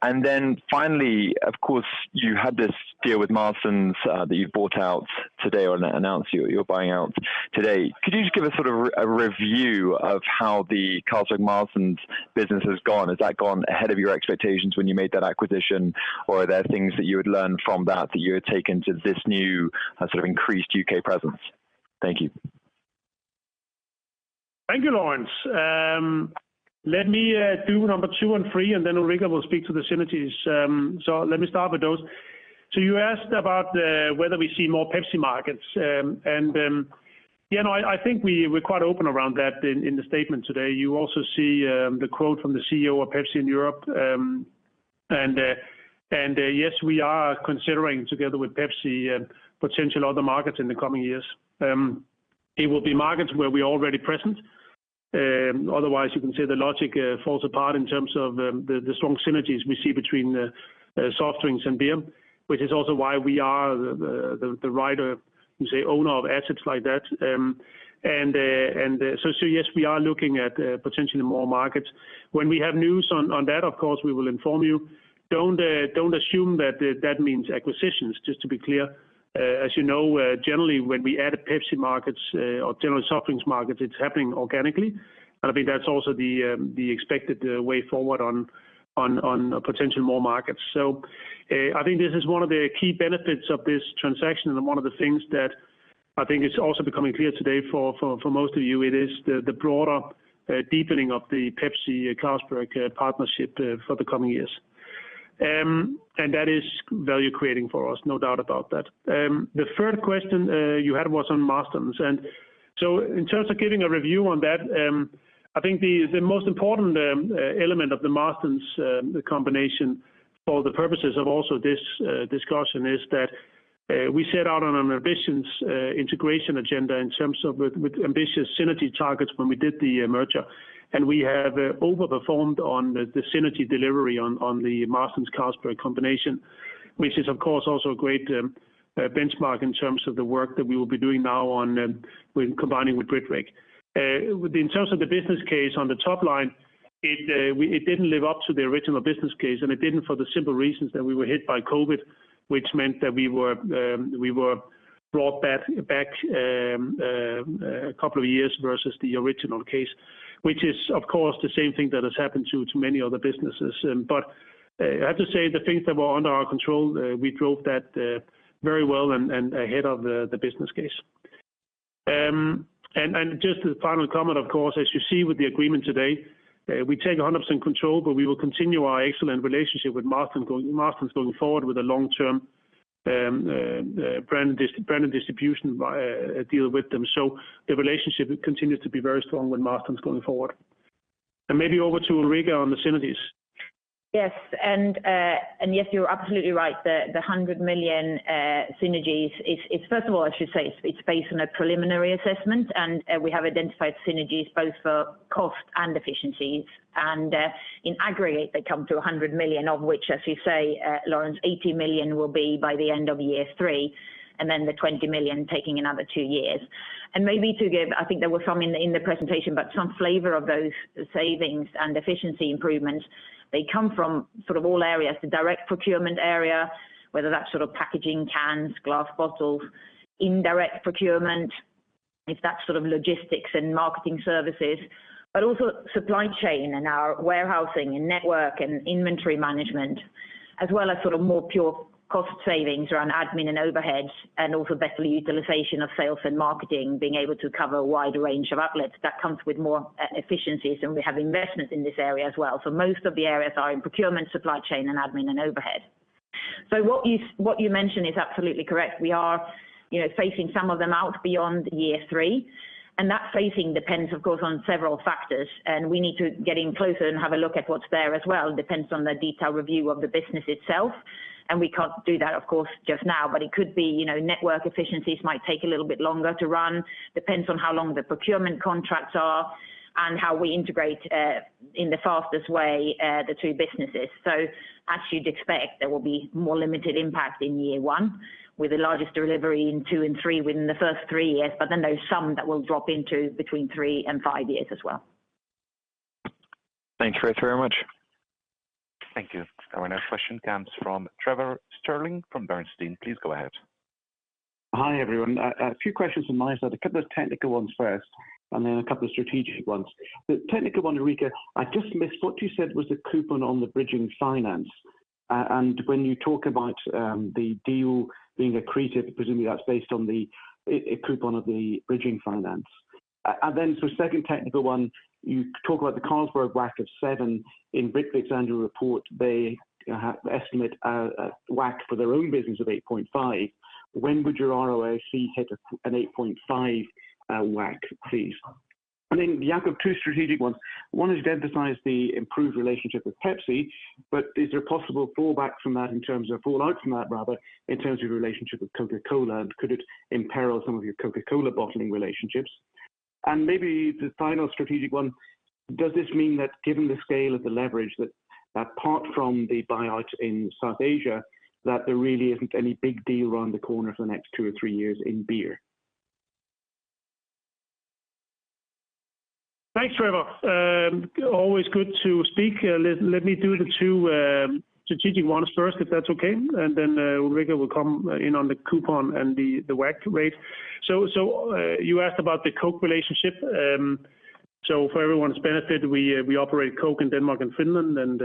Speaker 6: And then finally, of course, you had this deal with Marston's that you've bought out today or announced you're buying out today. Could you just give us sort of a review of how the Carlsberg Marston's business has gone? Has that gone ahead of your expectations when you made that acquisition, or are there things that you would learn from that that you had taken to this new sort of increased UK presence? Thank you.
Speaker 1: Thank you, Lawrence. Let me do number two and three, and then Ulrica will speak to the synergies. So let me start with those. So you asked about whether we see more Pepsi markets. And yeah, no, I think we're quite open around that in the statement today. You also see the quote from the CEO of Pepsi in Europe. And yes, we are considering, together with Pepsi, potential other markets in the coming years. It will be markets where we're already present. Otherwise, you can see the logic falls apart in terms of the strong synergies we see between soft drinks and beer, which is also why we are the right owner of assets like that. And so yes, we are looking at potentially more markets. When we have news on that, of course, we will inform you. Don't assume that that means acquisitions, just to be clear. As you know, generally, when we add Pepsi markets or general soft drinks markets, it's happening organically. And I think that's also the expected way forward on potential more markets. So I think this is one of the key benefits of this transaction and one of the things that I think is also becoming clear today for most of you. It is the broader deepening of the Pepsi-Carlsberg partnership for the coming years. And that is value creating for us, no doubt about that. The third question you had was on Marston's. And so in terms of giving a review on that, I think the most important element of the Marston's combination for the purposes of also this discussion is that we set out on an ambitious integration agenda in terms of with ambitious synergy targets when we did the merger. We have overperformed on the synergy delivery on the Marston’s-Carlsberg combination, which is, of course, also a great benchmark in terms of the work that we will be doing now with combining with Britvic. In terms of the business case on the top line, it didn't live up to the original business case, and it didn't for the simple reasons that we were hit by COVID, which meant that we were brought back a couple of years versus the original case, which is, of course, the same thing that has happened to many other businesses. But I have to say the things that were under our control, we drove that very well and ahead of the business case. Just the final comment, of course, as you see with the agreement today, we take 100% control, but we will continue our excellent relationship with Marston's going forward with a long-term brand distribution deal with them. The relationship continues to be very strong with Marston's going forward. Maybe over to Ulrica on the synergies.
Speaker 2: Yes. Yes, you're absolutely right. The 100 million synergies, first of all, as you say, it's based on a preliminary assessment, and we have identified synergies both for cost and efficiencies. In aggregate, they come to 100 million, of which, as you say, Lawrence, 80 million will be by the end of year three, and then the 20 million taking another two years. Maybe to give, I think there were some in the presentation, but some flavor of those savings and efficiency improvements. They come from sort of all areas, the direct procurement area, whether that's sort of packaging, cans, glass bottles, indirect procurement, if that's sort of logistics and marketing services, but also supply chain and our warehousing and network and inventory management, as well as sort of more pure cost savings around admin and overheads and also better utilization of sales and marketing, being able to cover a wide range of outlets. That comes with more efficiencies, and we have investment in this area as well. So most of the areas are in procurement, supply chain, and admin and overhead. So what you mentioned is absolutely correct. We are phasing some of them out beyond year three. And that phasing depends, of course, on several factors. We need to get in closer and have a look at what's there as well. It depends on the detailed review of the business itself. We can't do that, of course, just now, but it could be network efficiencies might take a little bit longer to run. Depends on how long the procurement contracts are and how we integrate in the fastest way the two businesses. So as you'd expect, there will be more limited impact in year 1 with the largest delivery in 2 and 3 within the first three years, but then there's some that will drop into between 3 and 5 years as well.
Speaker 6: Thanks very much.
Speaker 3: Thank you. Our next question comes from Trevor Stirling from Bernstein. Please go ahead.
Speaker 7: Hi everyone. A few questions from my side. A couple of technical ones first, and then a couple of strategic ones. The technical one, Ulrica, I just missed what you said was the coupon on the bridge financing. When you talk about the deal being accretive, presumably that's based on the coupon of the bridge financing. For a second technical one, you talk about the Carlsberg WACC of 7%. In Britvic's annual report, they estimate a WACC for their own business of 8.5%. When would your ROIC hit an 8.5% WACC, please? You have two strategic ones. One is to emphasize the improved relationship with Pepsi, but is there a possible fallback from that in terms of fallout from that, rather, in terms of your relationship with Coca-Cola? Could it imperil some of your Coca-Cola bottling relationships? Maybe the final strategic one, does this mean that given the scale of the leverage, that apart from the buyout in South Asia, that there really isn't any big deal around the corner for the next two or three years in beer?
Speaker 1: Thanks very much. Always good to speak. Let me do the two strategic ones first, if that's okay. And then Ulrica will come in on the coupon and the WACC rate. So you asked about the Coke relationship. So for everyone's benefit, we operate Coke in Denmark and Finland and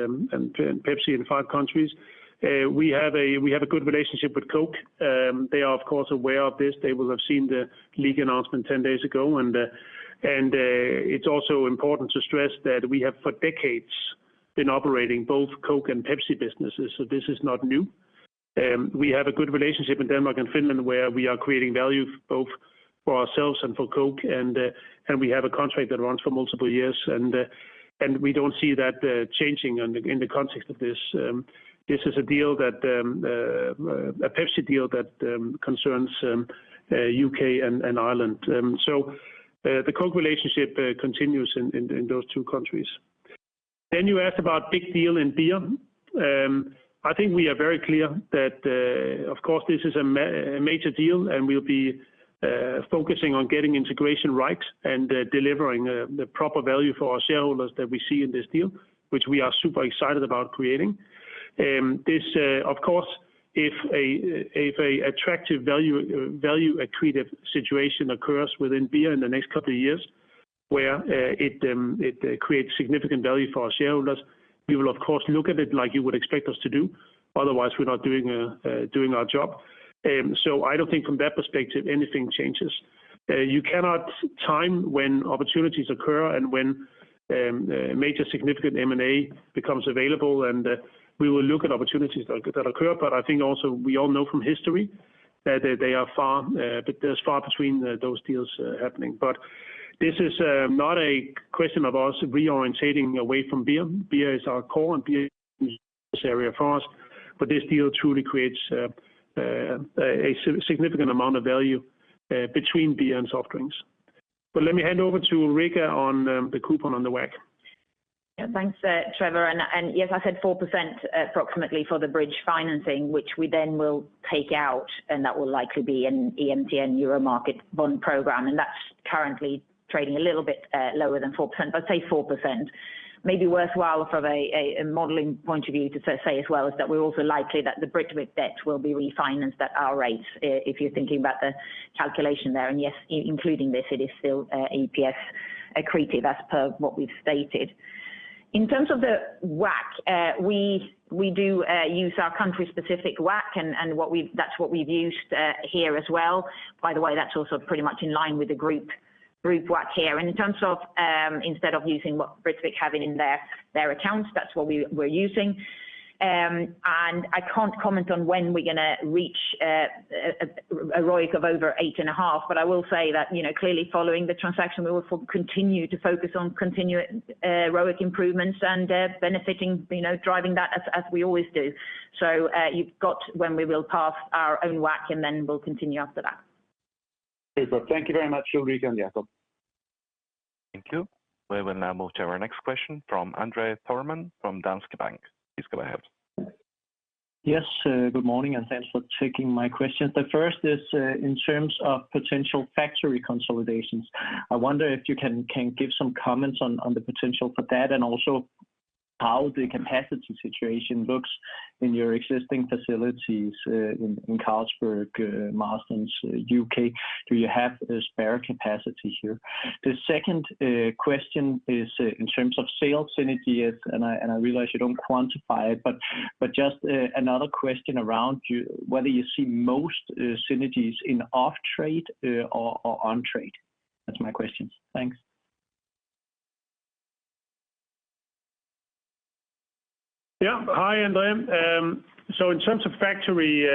Speaker 1: Pepsi in five countries. We have a good relationship with Coke. They are, of course, aware of this. They will have seen the leak announcement 10 days ago. And it's also important to stress that we have for decades been operating both Coke and Pepsi businesses, so this is not new. We have a good relationship in Denmark and Finland where we are creating value both for ourselves and for Coke. We have a contract that runs for multiple years, and we don't see that changing in the context of this. This is a deal, a Pepsi deal, that concerns U.K. and Ireland. The Coke relationship continues in those two countries. You asked about big deal in beer. I think we are very clear that, of course, this is a major deal, and we'll be focusing on getting integration right and delivering the proper value for our shareholders that we see in this deal, which we are super excited about creating. This, of course, if an attractive value accretive situation occurs within beer in the next couple of years where it creates significant value for our shareholders, we will, of course, look at it like you would expect us to do. Otherwise, we're not doing our job. So I don't think from that perspective anything changes. You cannot time when opportunities occur and when major significant M&A becomes available, and we will look at opportunities that occur. But I think also we all know from history that they are far, but there's far between those deals happening. But this is not a question of us reorienting away from beer. Beer is our core and beer is an area for us, but this deal truly creates a significant amount of value between beer and soft drinks. But let me hand over to Ulrica on the coupon on the WACC.
Speaker 2: Yeah, thanks, Trevor. Yes, I said 4% approximately for the bridge financing, which we then will take out, and that will likely be an EMTN Euro market bond program. That's currently trading a little bit lower than 4%, but say 4%. Maybe worthwhile from a modeling point of view to say as well is that we're also likely that the Britvic debt will be refinanced at our rates if you're thinking about the calculation there. Yes, including this, it is still EPS accretive as per what we've stated. In terms of the WACC, we do use our country-specific WACC, and that's what we've used here as well. By the way, that's also pretty much in line with the group WACC here. In terms of instead of using what Britvic having in their accounts, that's what we're using. I can't comment on when we're going to reach a ROIC of over 8.5, but I will say that clearly following the transaction, we will continue to focus on continuing ROIC improvements and benefiting, driving that as we always do. So you've got when we will pass our own WACC, and then we'll continue after that.
Speaker 7: Super. Thank you very much, Ulrica and Jacob.
Speaker 3: Thank you. We will now move to our next question from André Thormann from Danske Bank. Please go ahead.
Speaker 8: Yes, good morning, and thanks for taking my questions. The first is in terms of potential factory consolidations. I wonder if you can give some comments on the potential for that and also how the capacity situation looks in your existing facilities in Carlsberg Marston’s, UK. Do you have a spare capacity here? The second question is in terms of sales synergies, and I realize you don't quantify it, but just another question around whether you see most synergies in off-trade or on-trade. That's my question. Thanks.
Speaker 1: Yeah, hi, André. So in terms of factory,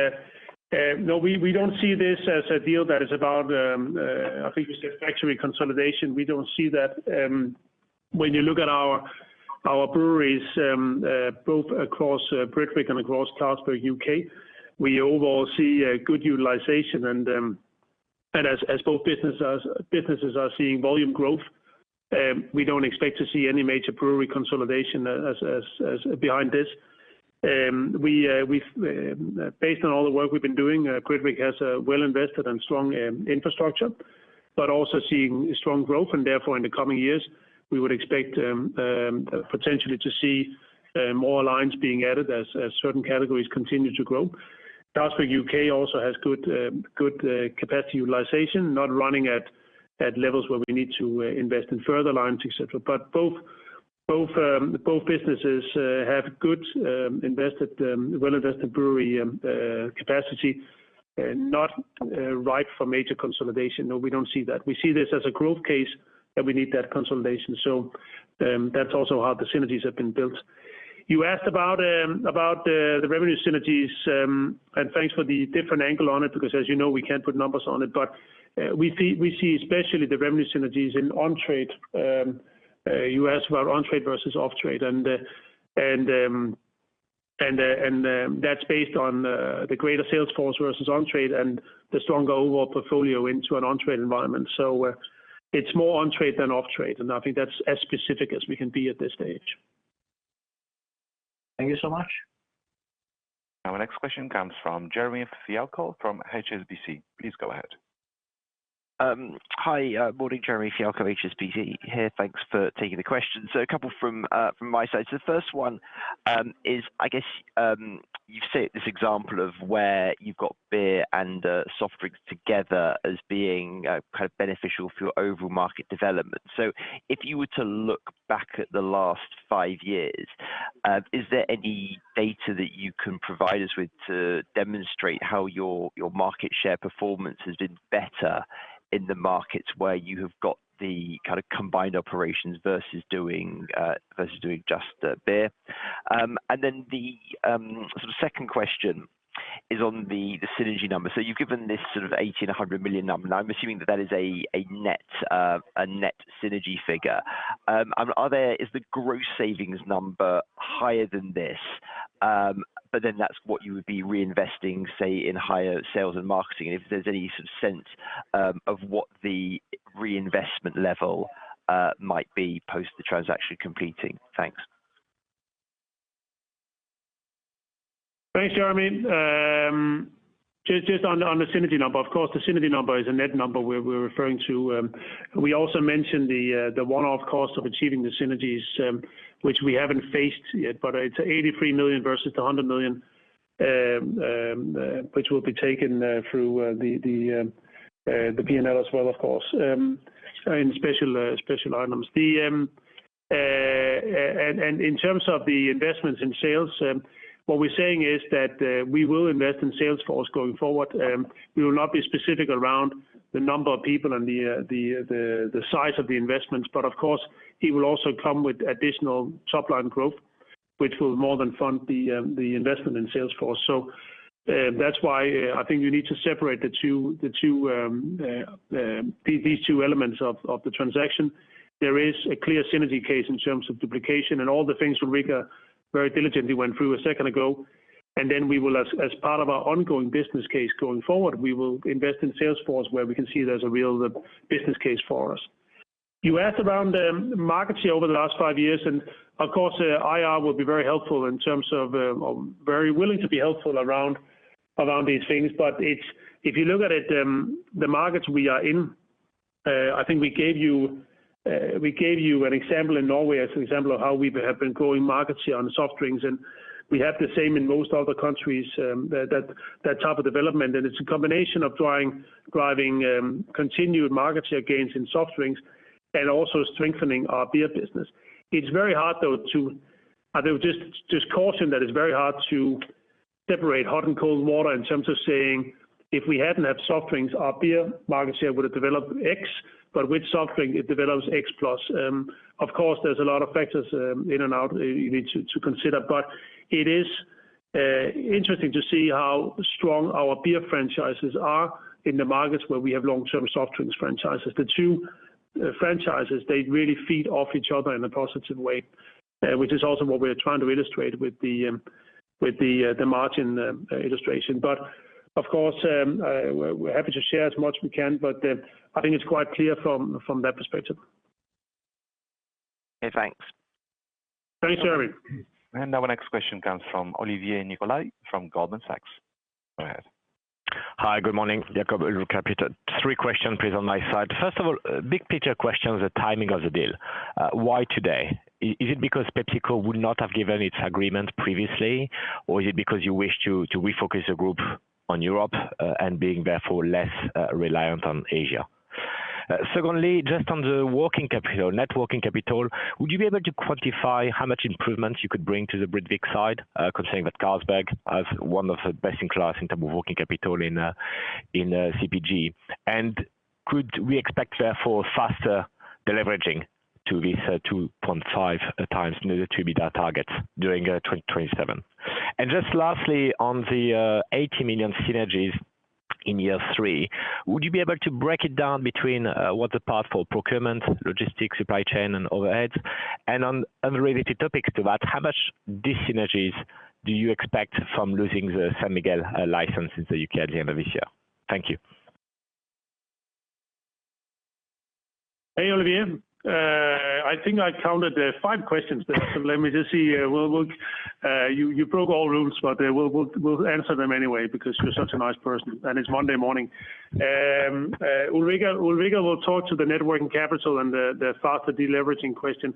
Speaker 1: no, we don't see this as a deal that is about, I think you said, factory consolidation. We don't see that. When you look at our breweries both across Britvic and across Carlsberg UK, we overall see good utilization. And as both businesses are seeing volume growth, we don't expect to see any major brewery consolidation behind this. Based on all the work we've been doing, Britvic has a well-invested and strong infrastructure, but also seeing strong growth. And therefore, in the coming years, we would expect potentially to see more lines being added as certain categories continue to grow. Carlsberg UK also has good capacity utilization, not running at levels where we need to invest in further lines, etc. Both businesses have good well-invested brewery capacity, not ripe for major consolidation. No, we don't see that. We see this as a growth case that we need that consolidation. That's also how the synergies have been built. You asked about the revenue synergies, and thanks for the different angle on it because, as you know, we can't put numbers on it. We see especially the revenue synergies in on-trade. You asked about on-trade versus off-trade, and that's based on the greater sales force versus on-trade and the stronger overall portfolio into an on-trade environment. It's more on-trade than off-trade, and I think that's as specific as we can be at this stage.
Speaker 8: Thank you so much.
Speaker 3: Our next question comes from Jeremy Fialko from HSBC. Please go ahead.
Speaker 9: Hi, morning, Jeremy Fialko of HSBC here. Thanks for taking the question. So a couple from my side. So the first one is, I guess you've set this example of where you've got beer and soft drinks together as being kind of beneficial for your overall market development. So if you were to look back at the last five years, is there any data that you can provide us with to demonstrate how your market share performance has been better in the markets where you have got the kind of combined operations versus doing just beer? And then the sort of second question is on the synergy number. So you've given this sort of 80 million-100 million number, and I'm assuming that that is a net synergy figure. Is the gross savings number higher than this? But then that's what you would be reinvesting, say, in higher sales and marketing. And if there's any sort of sense of what the reinvestment level might be post the transaction completing? Thanks.
Speaker 1: Thanks, Jeremy. Just on the synergy number, of course, the synergy number is a net number we're referring to. We also mentioned the one-off cost of achieving the synergies, which we haven't faced yet, but it's 83 million versus the 100 million, which will be taken through the P&L as well, of course, in special items. And in terms of the investments in sales, what we're saying is that we will invest in sales force going forward. We will not be specific around the number of people and the size of the investments, but of course, it will also come with additional top-line growth, which will more than fund the investment in sales force. So that's why I think we need to separate these two elements of the transaction. There is a clear synergy case in terms of duplication, and all the things Ulrica very diligently went through a second ago. And then we will, as part of our ongoing business case going forward, we will invest in sales force where we can see there's a real business case for us. You asked around markets here over the last five years, and of course, IR will be very helpful in terms of very willing to be helpful around these things. But if you look at it, the markets we are in, I think we gave you an example in Norway as an example of how we have been growing market share on soft drinks. And we have the same in most other countries, that type of development. It's a combination of driving continued market share gains in soft drinks and also strengthening our beer business. It's very hard, though, to I think just caution that it's very hard to separate hot and cold water in terms of saying if we hadn't had soft drinks, our beer market share would have developed X, but with soft drink, it develops X plus. Of course, there's a lot of factors in and out you need to consider, but it is interesting to see how strong our beer franchises are in the markets where we have long-term soft drinks franchises. The two franchises, they really feed off each other in a positive way, which is also what we're trying to illustrate with the margin illustration. But of course, we're happy to share as much we can, but I think it's quite clear from that perspective.
Speaker 9: Okay, thanks.
Speaker 1: Thanks, Jeremy.
Speaker 3: Our next question comes from Olivier Nicolaï from Goldman Sachs. Go ahead.
Speaker 10: Hi, good morning, Jacob and Ulrica. Three questions, please, on my side. First of all, big picture question is the timing of the deal. Why today? Is it because PepsiCo would not have given its agreement previously, or is it because you wish to refocus your group on Europe and being therefore less reliant on Asia? Secondly, just on the working capital, would you be able to quantify how much improvement you could bring to the Britvic side? Considering that Carlsberg has one of the best-in-class in terms of working capital in CPG. And could we expect therefore faster deleveraging to these 2.5 times needed to be that target during 2027? And just lastly, on the 80 million synergies in year three, would you be able to break it down between what's the path for procurement, logistics, supply chain, and overheads? And on related topics to that, how much dis-synergies do you expect from losing the San Miguel license in the UK at the end of this year? Thank you.
Speaker 1: Hey, Olivier. I think I counted five questions, but let me just see. You broke all rules, but we'll answer them anyway because you're such a nice person. And it's Monday morning. Ulrica will talk to the working capital and the faster deleveraging question.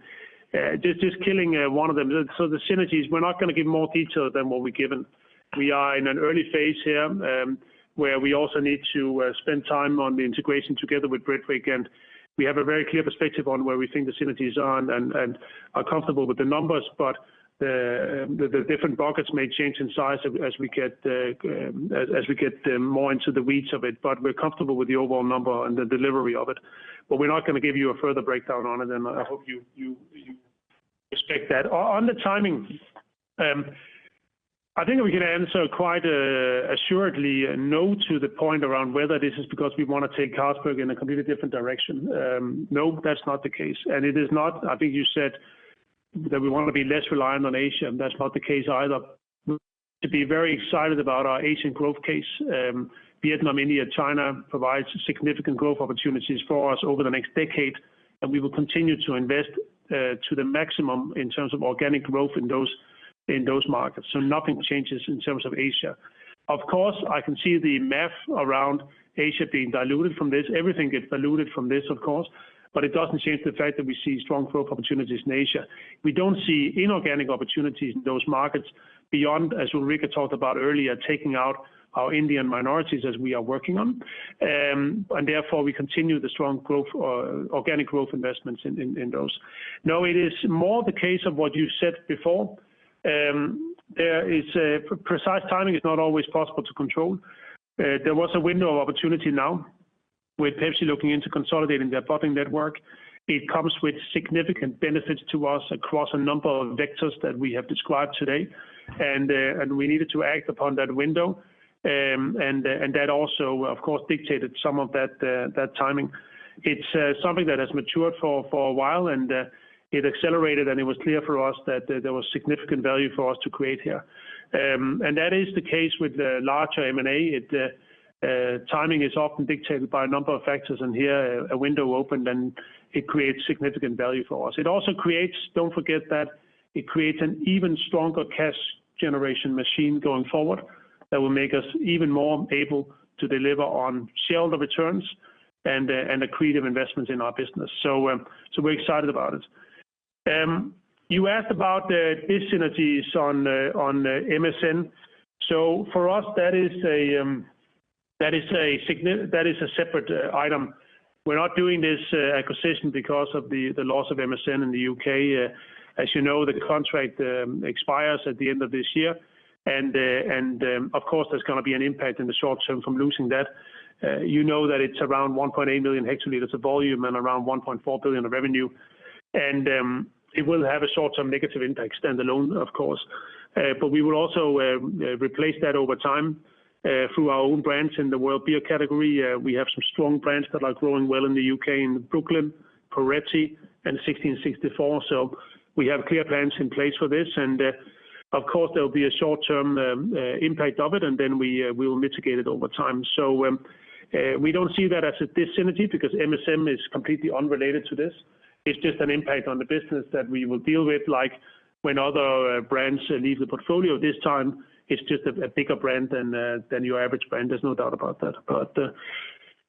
Speaker 1: Just killing one of them. So the synergies, we're not going to give more detail than what we've given. We are in an early phase here where we also need to spend time on the integration together with Britvic, and we have a very clear perspective on where we think the synergies are and are comfortable with the numbers. But the different buckets may change in size as we get more into the weeds of it. But we're comfortable with the overall number and the delivery of it. But we're not going to give you a further breakdown on it, and I hope you respect that. On the timing, I think we can answer quite assuredly no to the point around whether this is because we want to take Carlsberg in a completely different direction. No, that's not the case. And it is not, I think you said that we want to be less reliant on Asia, and that's not the case either. We're to be very excited about our Asian growth case. Vietnam, India, China provides significant growth opportunities for us over the next decade, and we will continue to invest to the maximum in terms of organic growth in those markets. So nothing changes in terms of Asia. Of course, I can see the math around Asia being diluted from this. Everything gets diluted from this, of course, but it doesn't change the fact that we see strong growth opportunities in Asia. We don't see inorganic opportunities in those markets beyond, as Ulrica talked about earlier, taking out our Indian minorities as we are working on. And therefore, we continue the strong organic growth investments in those. No, it is more the case of what you said before. Precise timing is not always possible to control. There was a window of opportunity now with Pepsi looking into consolidating their bottling network. It comes with significant benefits to us across a number of vectors that we have described today, and we needed to act upon that window. And that also, of course, dictated some of that timing. It's something that has matured for a while, and it accelerated, and it was clear for us that there was significant value for us to create here. And that is the case with the larger M&A. Timing is often dictated by a number of factors, and here a window opens, then it creates significant value for us. It also creates, don't forget, that it creates an even stronger cash generation machine going forward that will make us even more able to deliver on shareholder returns and accretive investments in our business. So we're excited about it. You asked about the dis-synergies on MSM. So for us, that is a separate item. We're not doing this acquisition because of the loss of MSM in the UK. As you know, the contract expires at the end of this year. Of course, there's going to be an impact in the short term from losing that. You know that it's around 1.8 million hectoliters of volume and around 1.4 billion of revenue. It will have a short-term negative impact, standalone, of course. But we will also replace that over time through our own brands in the world beer category. We have some strong brands that are growing well in the UK in Brooklyn, Poretti and 1664. We have clear plans in place for this. Of course, there will be a short-term impact of it, and then we will mitigate it over time. So we don't see that as a dis-synergy because MSM is completely unrelated to this. It's just an impact on the business that we will deal with. Like when other brands leave the portfolio, this time it's just a bigger brand than your average brand. There's no doubt about that. But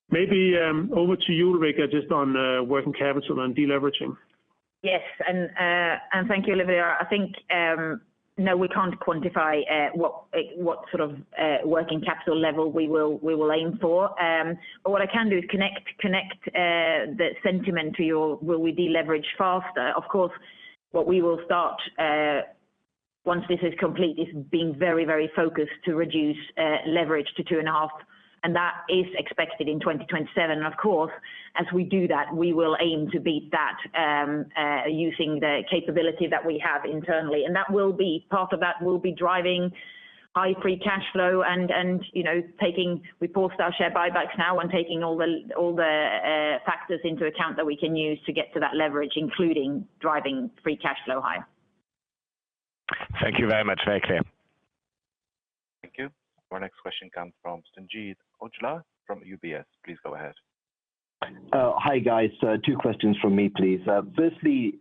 Speaker 1: maybe over to you, Ulrica, just on working capital and deleveraging.
Speaker 2: Yes. And thank you, Olivier. I think, no, we can't quantify what sort of working capital level we will aim for. But what I can do is connect the sentiment to your, will we deleverage faster? Of course, what we will start once this is complete is being very, very focused to reduce leverage to 2.5. That is expected in 2027. Of course, as we do that, we will aim to beat that using the capability that we have internally. And that will be part of that will be driving high free cash flow and taking we post our share buybacks now and taking all the factors into account that we can use to get to that leverage, including driving free cash flow higher.
Speaker 10: Thank you very much. Very clear.
Speaker 3: Thank you. Our next question comes from Sanjeet Aujla from UBS. Please go ahead.
Speaker 11: Hi, guys. Two questions from me, please. Firstly,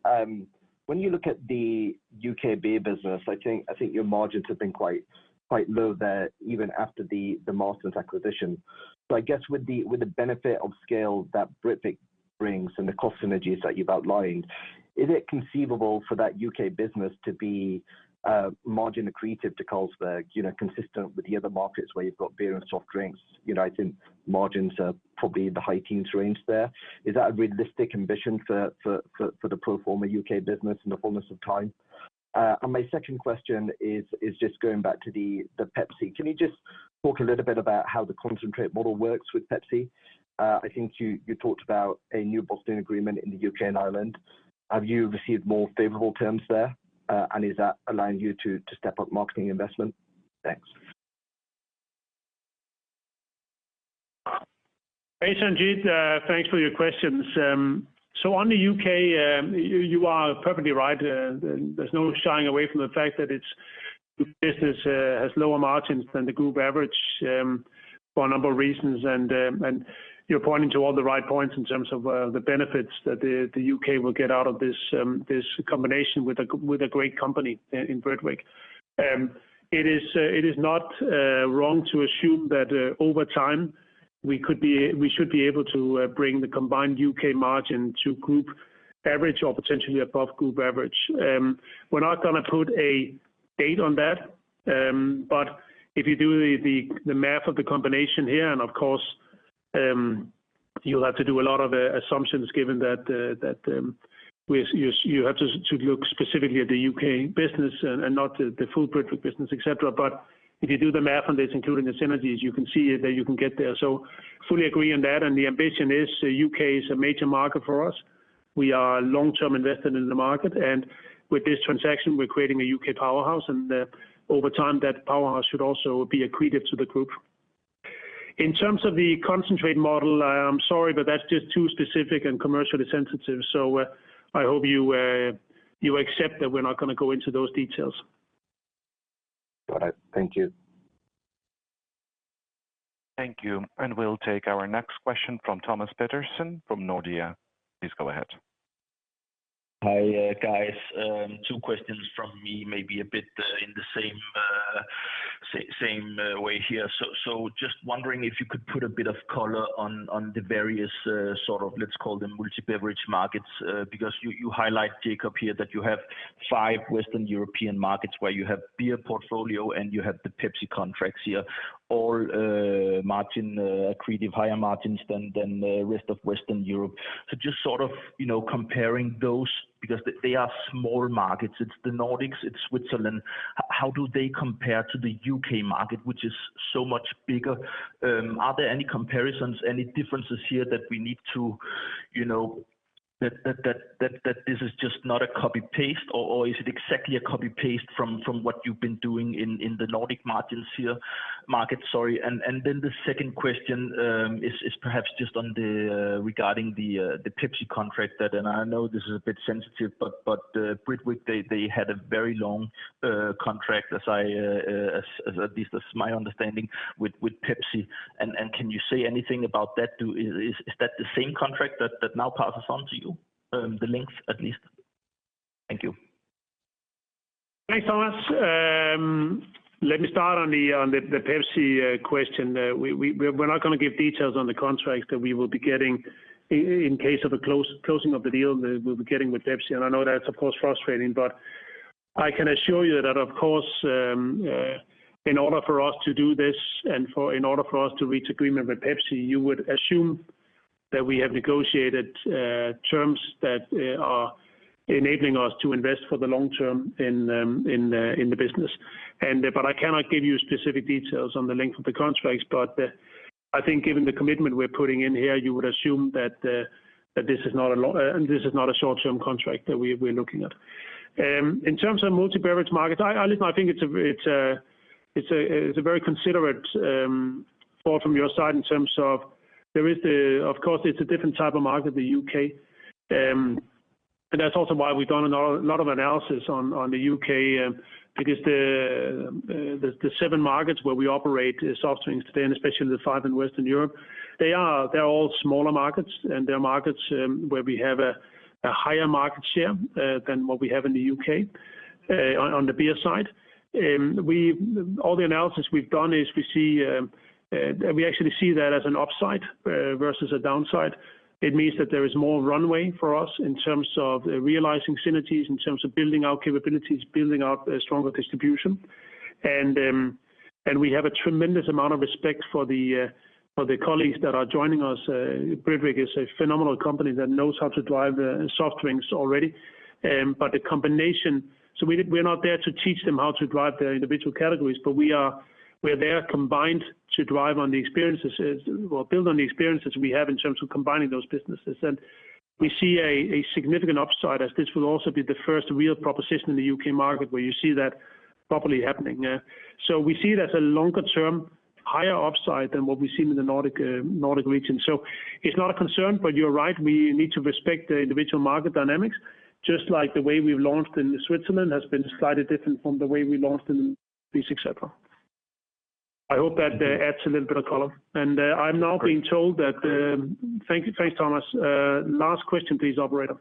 Speaker 11: when you look at the UK beer business, I think your margins have been quite low there even after the Marston's acquisition. So I guess with the benefit of scale that Britvic brings and the cost synergies that you've outlined, is it conceivable for that UK business to be margin accretive to Carlsberg, consistent with the other markets where you've got beer and soft drinks? I think margins are probably in the high teens range there. Is that a realistic ambition for the pro forma UK business in the fullness of time? And my second question is just going back to the Pepsi. Can you just talk a little bit about how the concentrate model works with Pepsi? I think you talked about a new bottling agreement in the UK and Ireland. Have you received more favorable terms there? And is that allowing you to step up marketing investment? Thanks.
Speaker 1: Hey, Sanjeet, thanks for your questions. So on the UK, you are perfectly right. There's no shying away from the fact that the business has lower margins than the group average for a number of reasons. And you're pointing to all the right points in terms of the benefits that the UK will get out of this combination with a great company in Britvic. It is not wrong to assume that over time we should be able to bring the combined UK margin to group average or potentially above group average. We're not going to put a date on that. If you do the math of the combination here, and of course, you'll have to do a lot of assumptions given that you have to look specifically at the UK business and not the full Britvic business, etc. If you do the math on this, including the synergies, you can see that you can get there. So fully agree on that. The ambition is the UK is a major market for us. We are long-term invested in the market. With this transaction, we're creating a UK powerhouse. Over time, that powerhouse should also be accretive to the group. In terms of the concentrate model, I'm sorry, but that's just too specific and commercially sensitive. So I hope you accept that we're not going to go into those details.
Speaker 11: Got it. Thank you.
Speaker 3: Thank you. And we'll take our next question from Thomas Petersen from Nordea. Please go ahead.
Speaker 12: Hi, guys. Two questions from me, maybe a bit in the same way here. So just wondering if you could put a bit of color on the various sort of, let's call them multi-beverage markets, because you highlight, Jacob, here that you have five Western European markets where you have beer portfolio and you have the Pepsi contracts here, all margin accretive higher margins than the rest of Western Europe. So just sort of comparing those because they are small markets. It's the Nordics, it's Switzerland. How do they compare to the UK market, which is so much bigger? Are there any comparisons, any differences here that we need to that this is just not a copy-paste, or is it exactly a copy-paste from what you've been doing in the Nordic markets? Sorry. And then the second question is perhaps just regarding the Pepsi contract that, and I know this is a bit sensitive, but Britvic, they had a very long contract, at least that's my understanding, with Pepsi. And can you say anything about that? Is that the same contract that now passes on to you, the length at least? Thank you.
Speaker 1: Thanks, Thomas. Let me start on the Pepsi question. We're not going to give details on the contracts that we will be getting in case of a closing of the deal that we'll be getting with Pepsi. And I know that's, of course, frustrating, but I can assure you that, of course, in order for us to do this and in order for us to reach agreement with Pepsi, you would assume that we have negotiated terms that are enabling us to invest for the long term in the business. But I cannot give you specific details on the length of the contracts. But I think given the commitment we're putting in here, you would assume that this is not a short-term contract that we're looking at. In terms of multi-beverage markets, I think it's a very considerate thought from your side in terms of, of course, it's a different type of market, the UK. And that's also why we've done a lot of analysis on the UK, because the seven markets where we operate soft drinks today, and especially the five in Western Europe, they are all smaller markets, and they're markets where we have a higher market share than what we have in the UK on the beer side. All the analysis we've done is we actually see that as an upside versus a downside. It means that there is more runway for us in terms of realizing synergies, in terms of building our capabilities, building out a stronger distribution. And we have a tremendous amount of respect for the colleagues that are joining us. Britvic is a phenomenal company that knows how to drive soft drinks already. But the combination, so we're not there to teach them how to drive their individual categories, but we are there combined to drive on the experiences or build on the experiences we have in terms of combining those businesses. And we see a significant upside as this will also be the first real proposition in the UK market where you see that properly happening. So we see it as a longer-term higher upside than what we've seen in the Nordic region. So it's not a concern, but you're right. We need to respect the individual market dynamics, just like the way we've launched in Switzerland has been slightly different from the way we launched in the U.S., etc. I hope that adds a little bit of color. And I'm now being told that, thanks, Thomas. Last question, please, operator.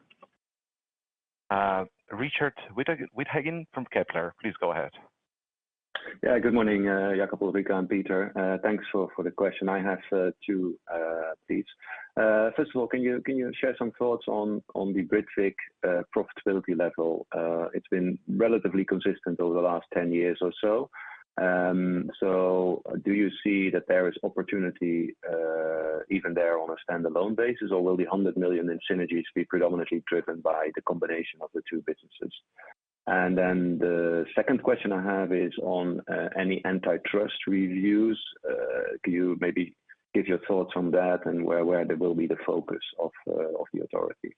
Speaker 3: Richard Withagen from Kepler, please go ahead.
Speaker 13: Yeah, good morning, Jacob, Ulrica, and Peter. Thanks for the question. I have two, please. First of all, can you share some thoughts on the Britvic profitability level? It's been relatively consistent over the last 10 years or so. So do you see that there is opportunity even there on a standalone basis, or will the 100 million in synergies be predominantly driven by the combination of the two businesses? And then the second question I have is on any antitrust reviews. Can you maybe give your thoughts on that and where there will be the focus of the authorities?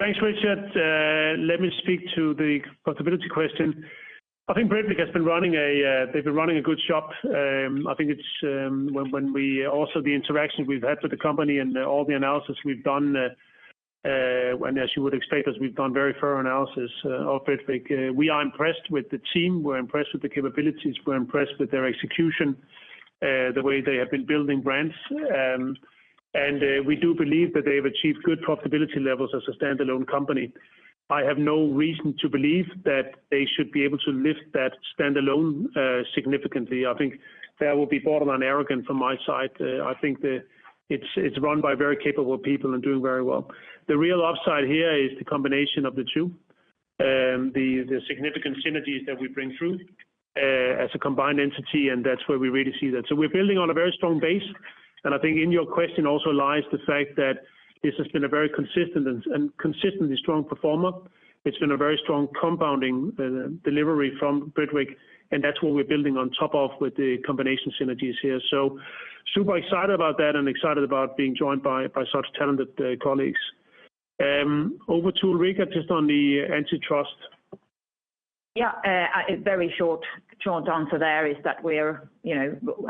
Speaker 1: Thanks, Richard. Let me speak to the profitability question. I think Britvic has been running. They've been running a good shop. I think it's when we also the interaction we've had with the company and all the analysis we've done, and as you would expect us, we've done very thorough analysis of Britvic. We are impressed with the team. We're impressed with the capabilities. We're impressed with their execution, the way they have been building brands. And we do believe that they have achieved good profitability levels as a standalone company. I have no reason to believe that they should be able to lift that standalone significantly. I think that would be borderline arrogant from my side. I think it's run by very capable people and doing very well. The real upside here is the combination of the two, the significant synergies that we bring through as a combined entity, and that's where we really see that. So we're building on a very strong base. I think in your question also lies the fact that this has been a very consistent and consistently strong performer. It's been a very strong compounding delivery from Britvic. That's what we're building on top of with the combination synergies here. Super excited about that and excited about being joined by such talented colleagues. Over to Ulrica, just on the antitrust.
Speaker 2: Yeah, a very short answer there is that we're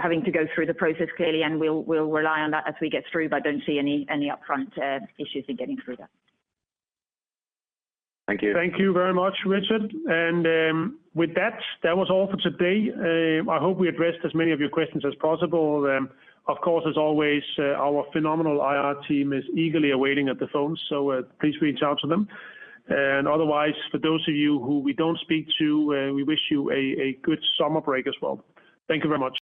Speaker 2: having to go through the process clearly, and we'll rely on that as we get through, but don't see any upfront issues in getting through that.
Speaker 13: Thank you.
Speaker 1: Thank you very much, Richard. With that, that was all for today. I hope we addressed as many of your questions as possible. Of course, as always, our phenomenal IR team is eagerly awaiting at the phone, so please reach out to them. Otherwise, for those of you who we don't speak to, we wish you a good summer break as well. Thank you very much.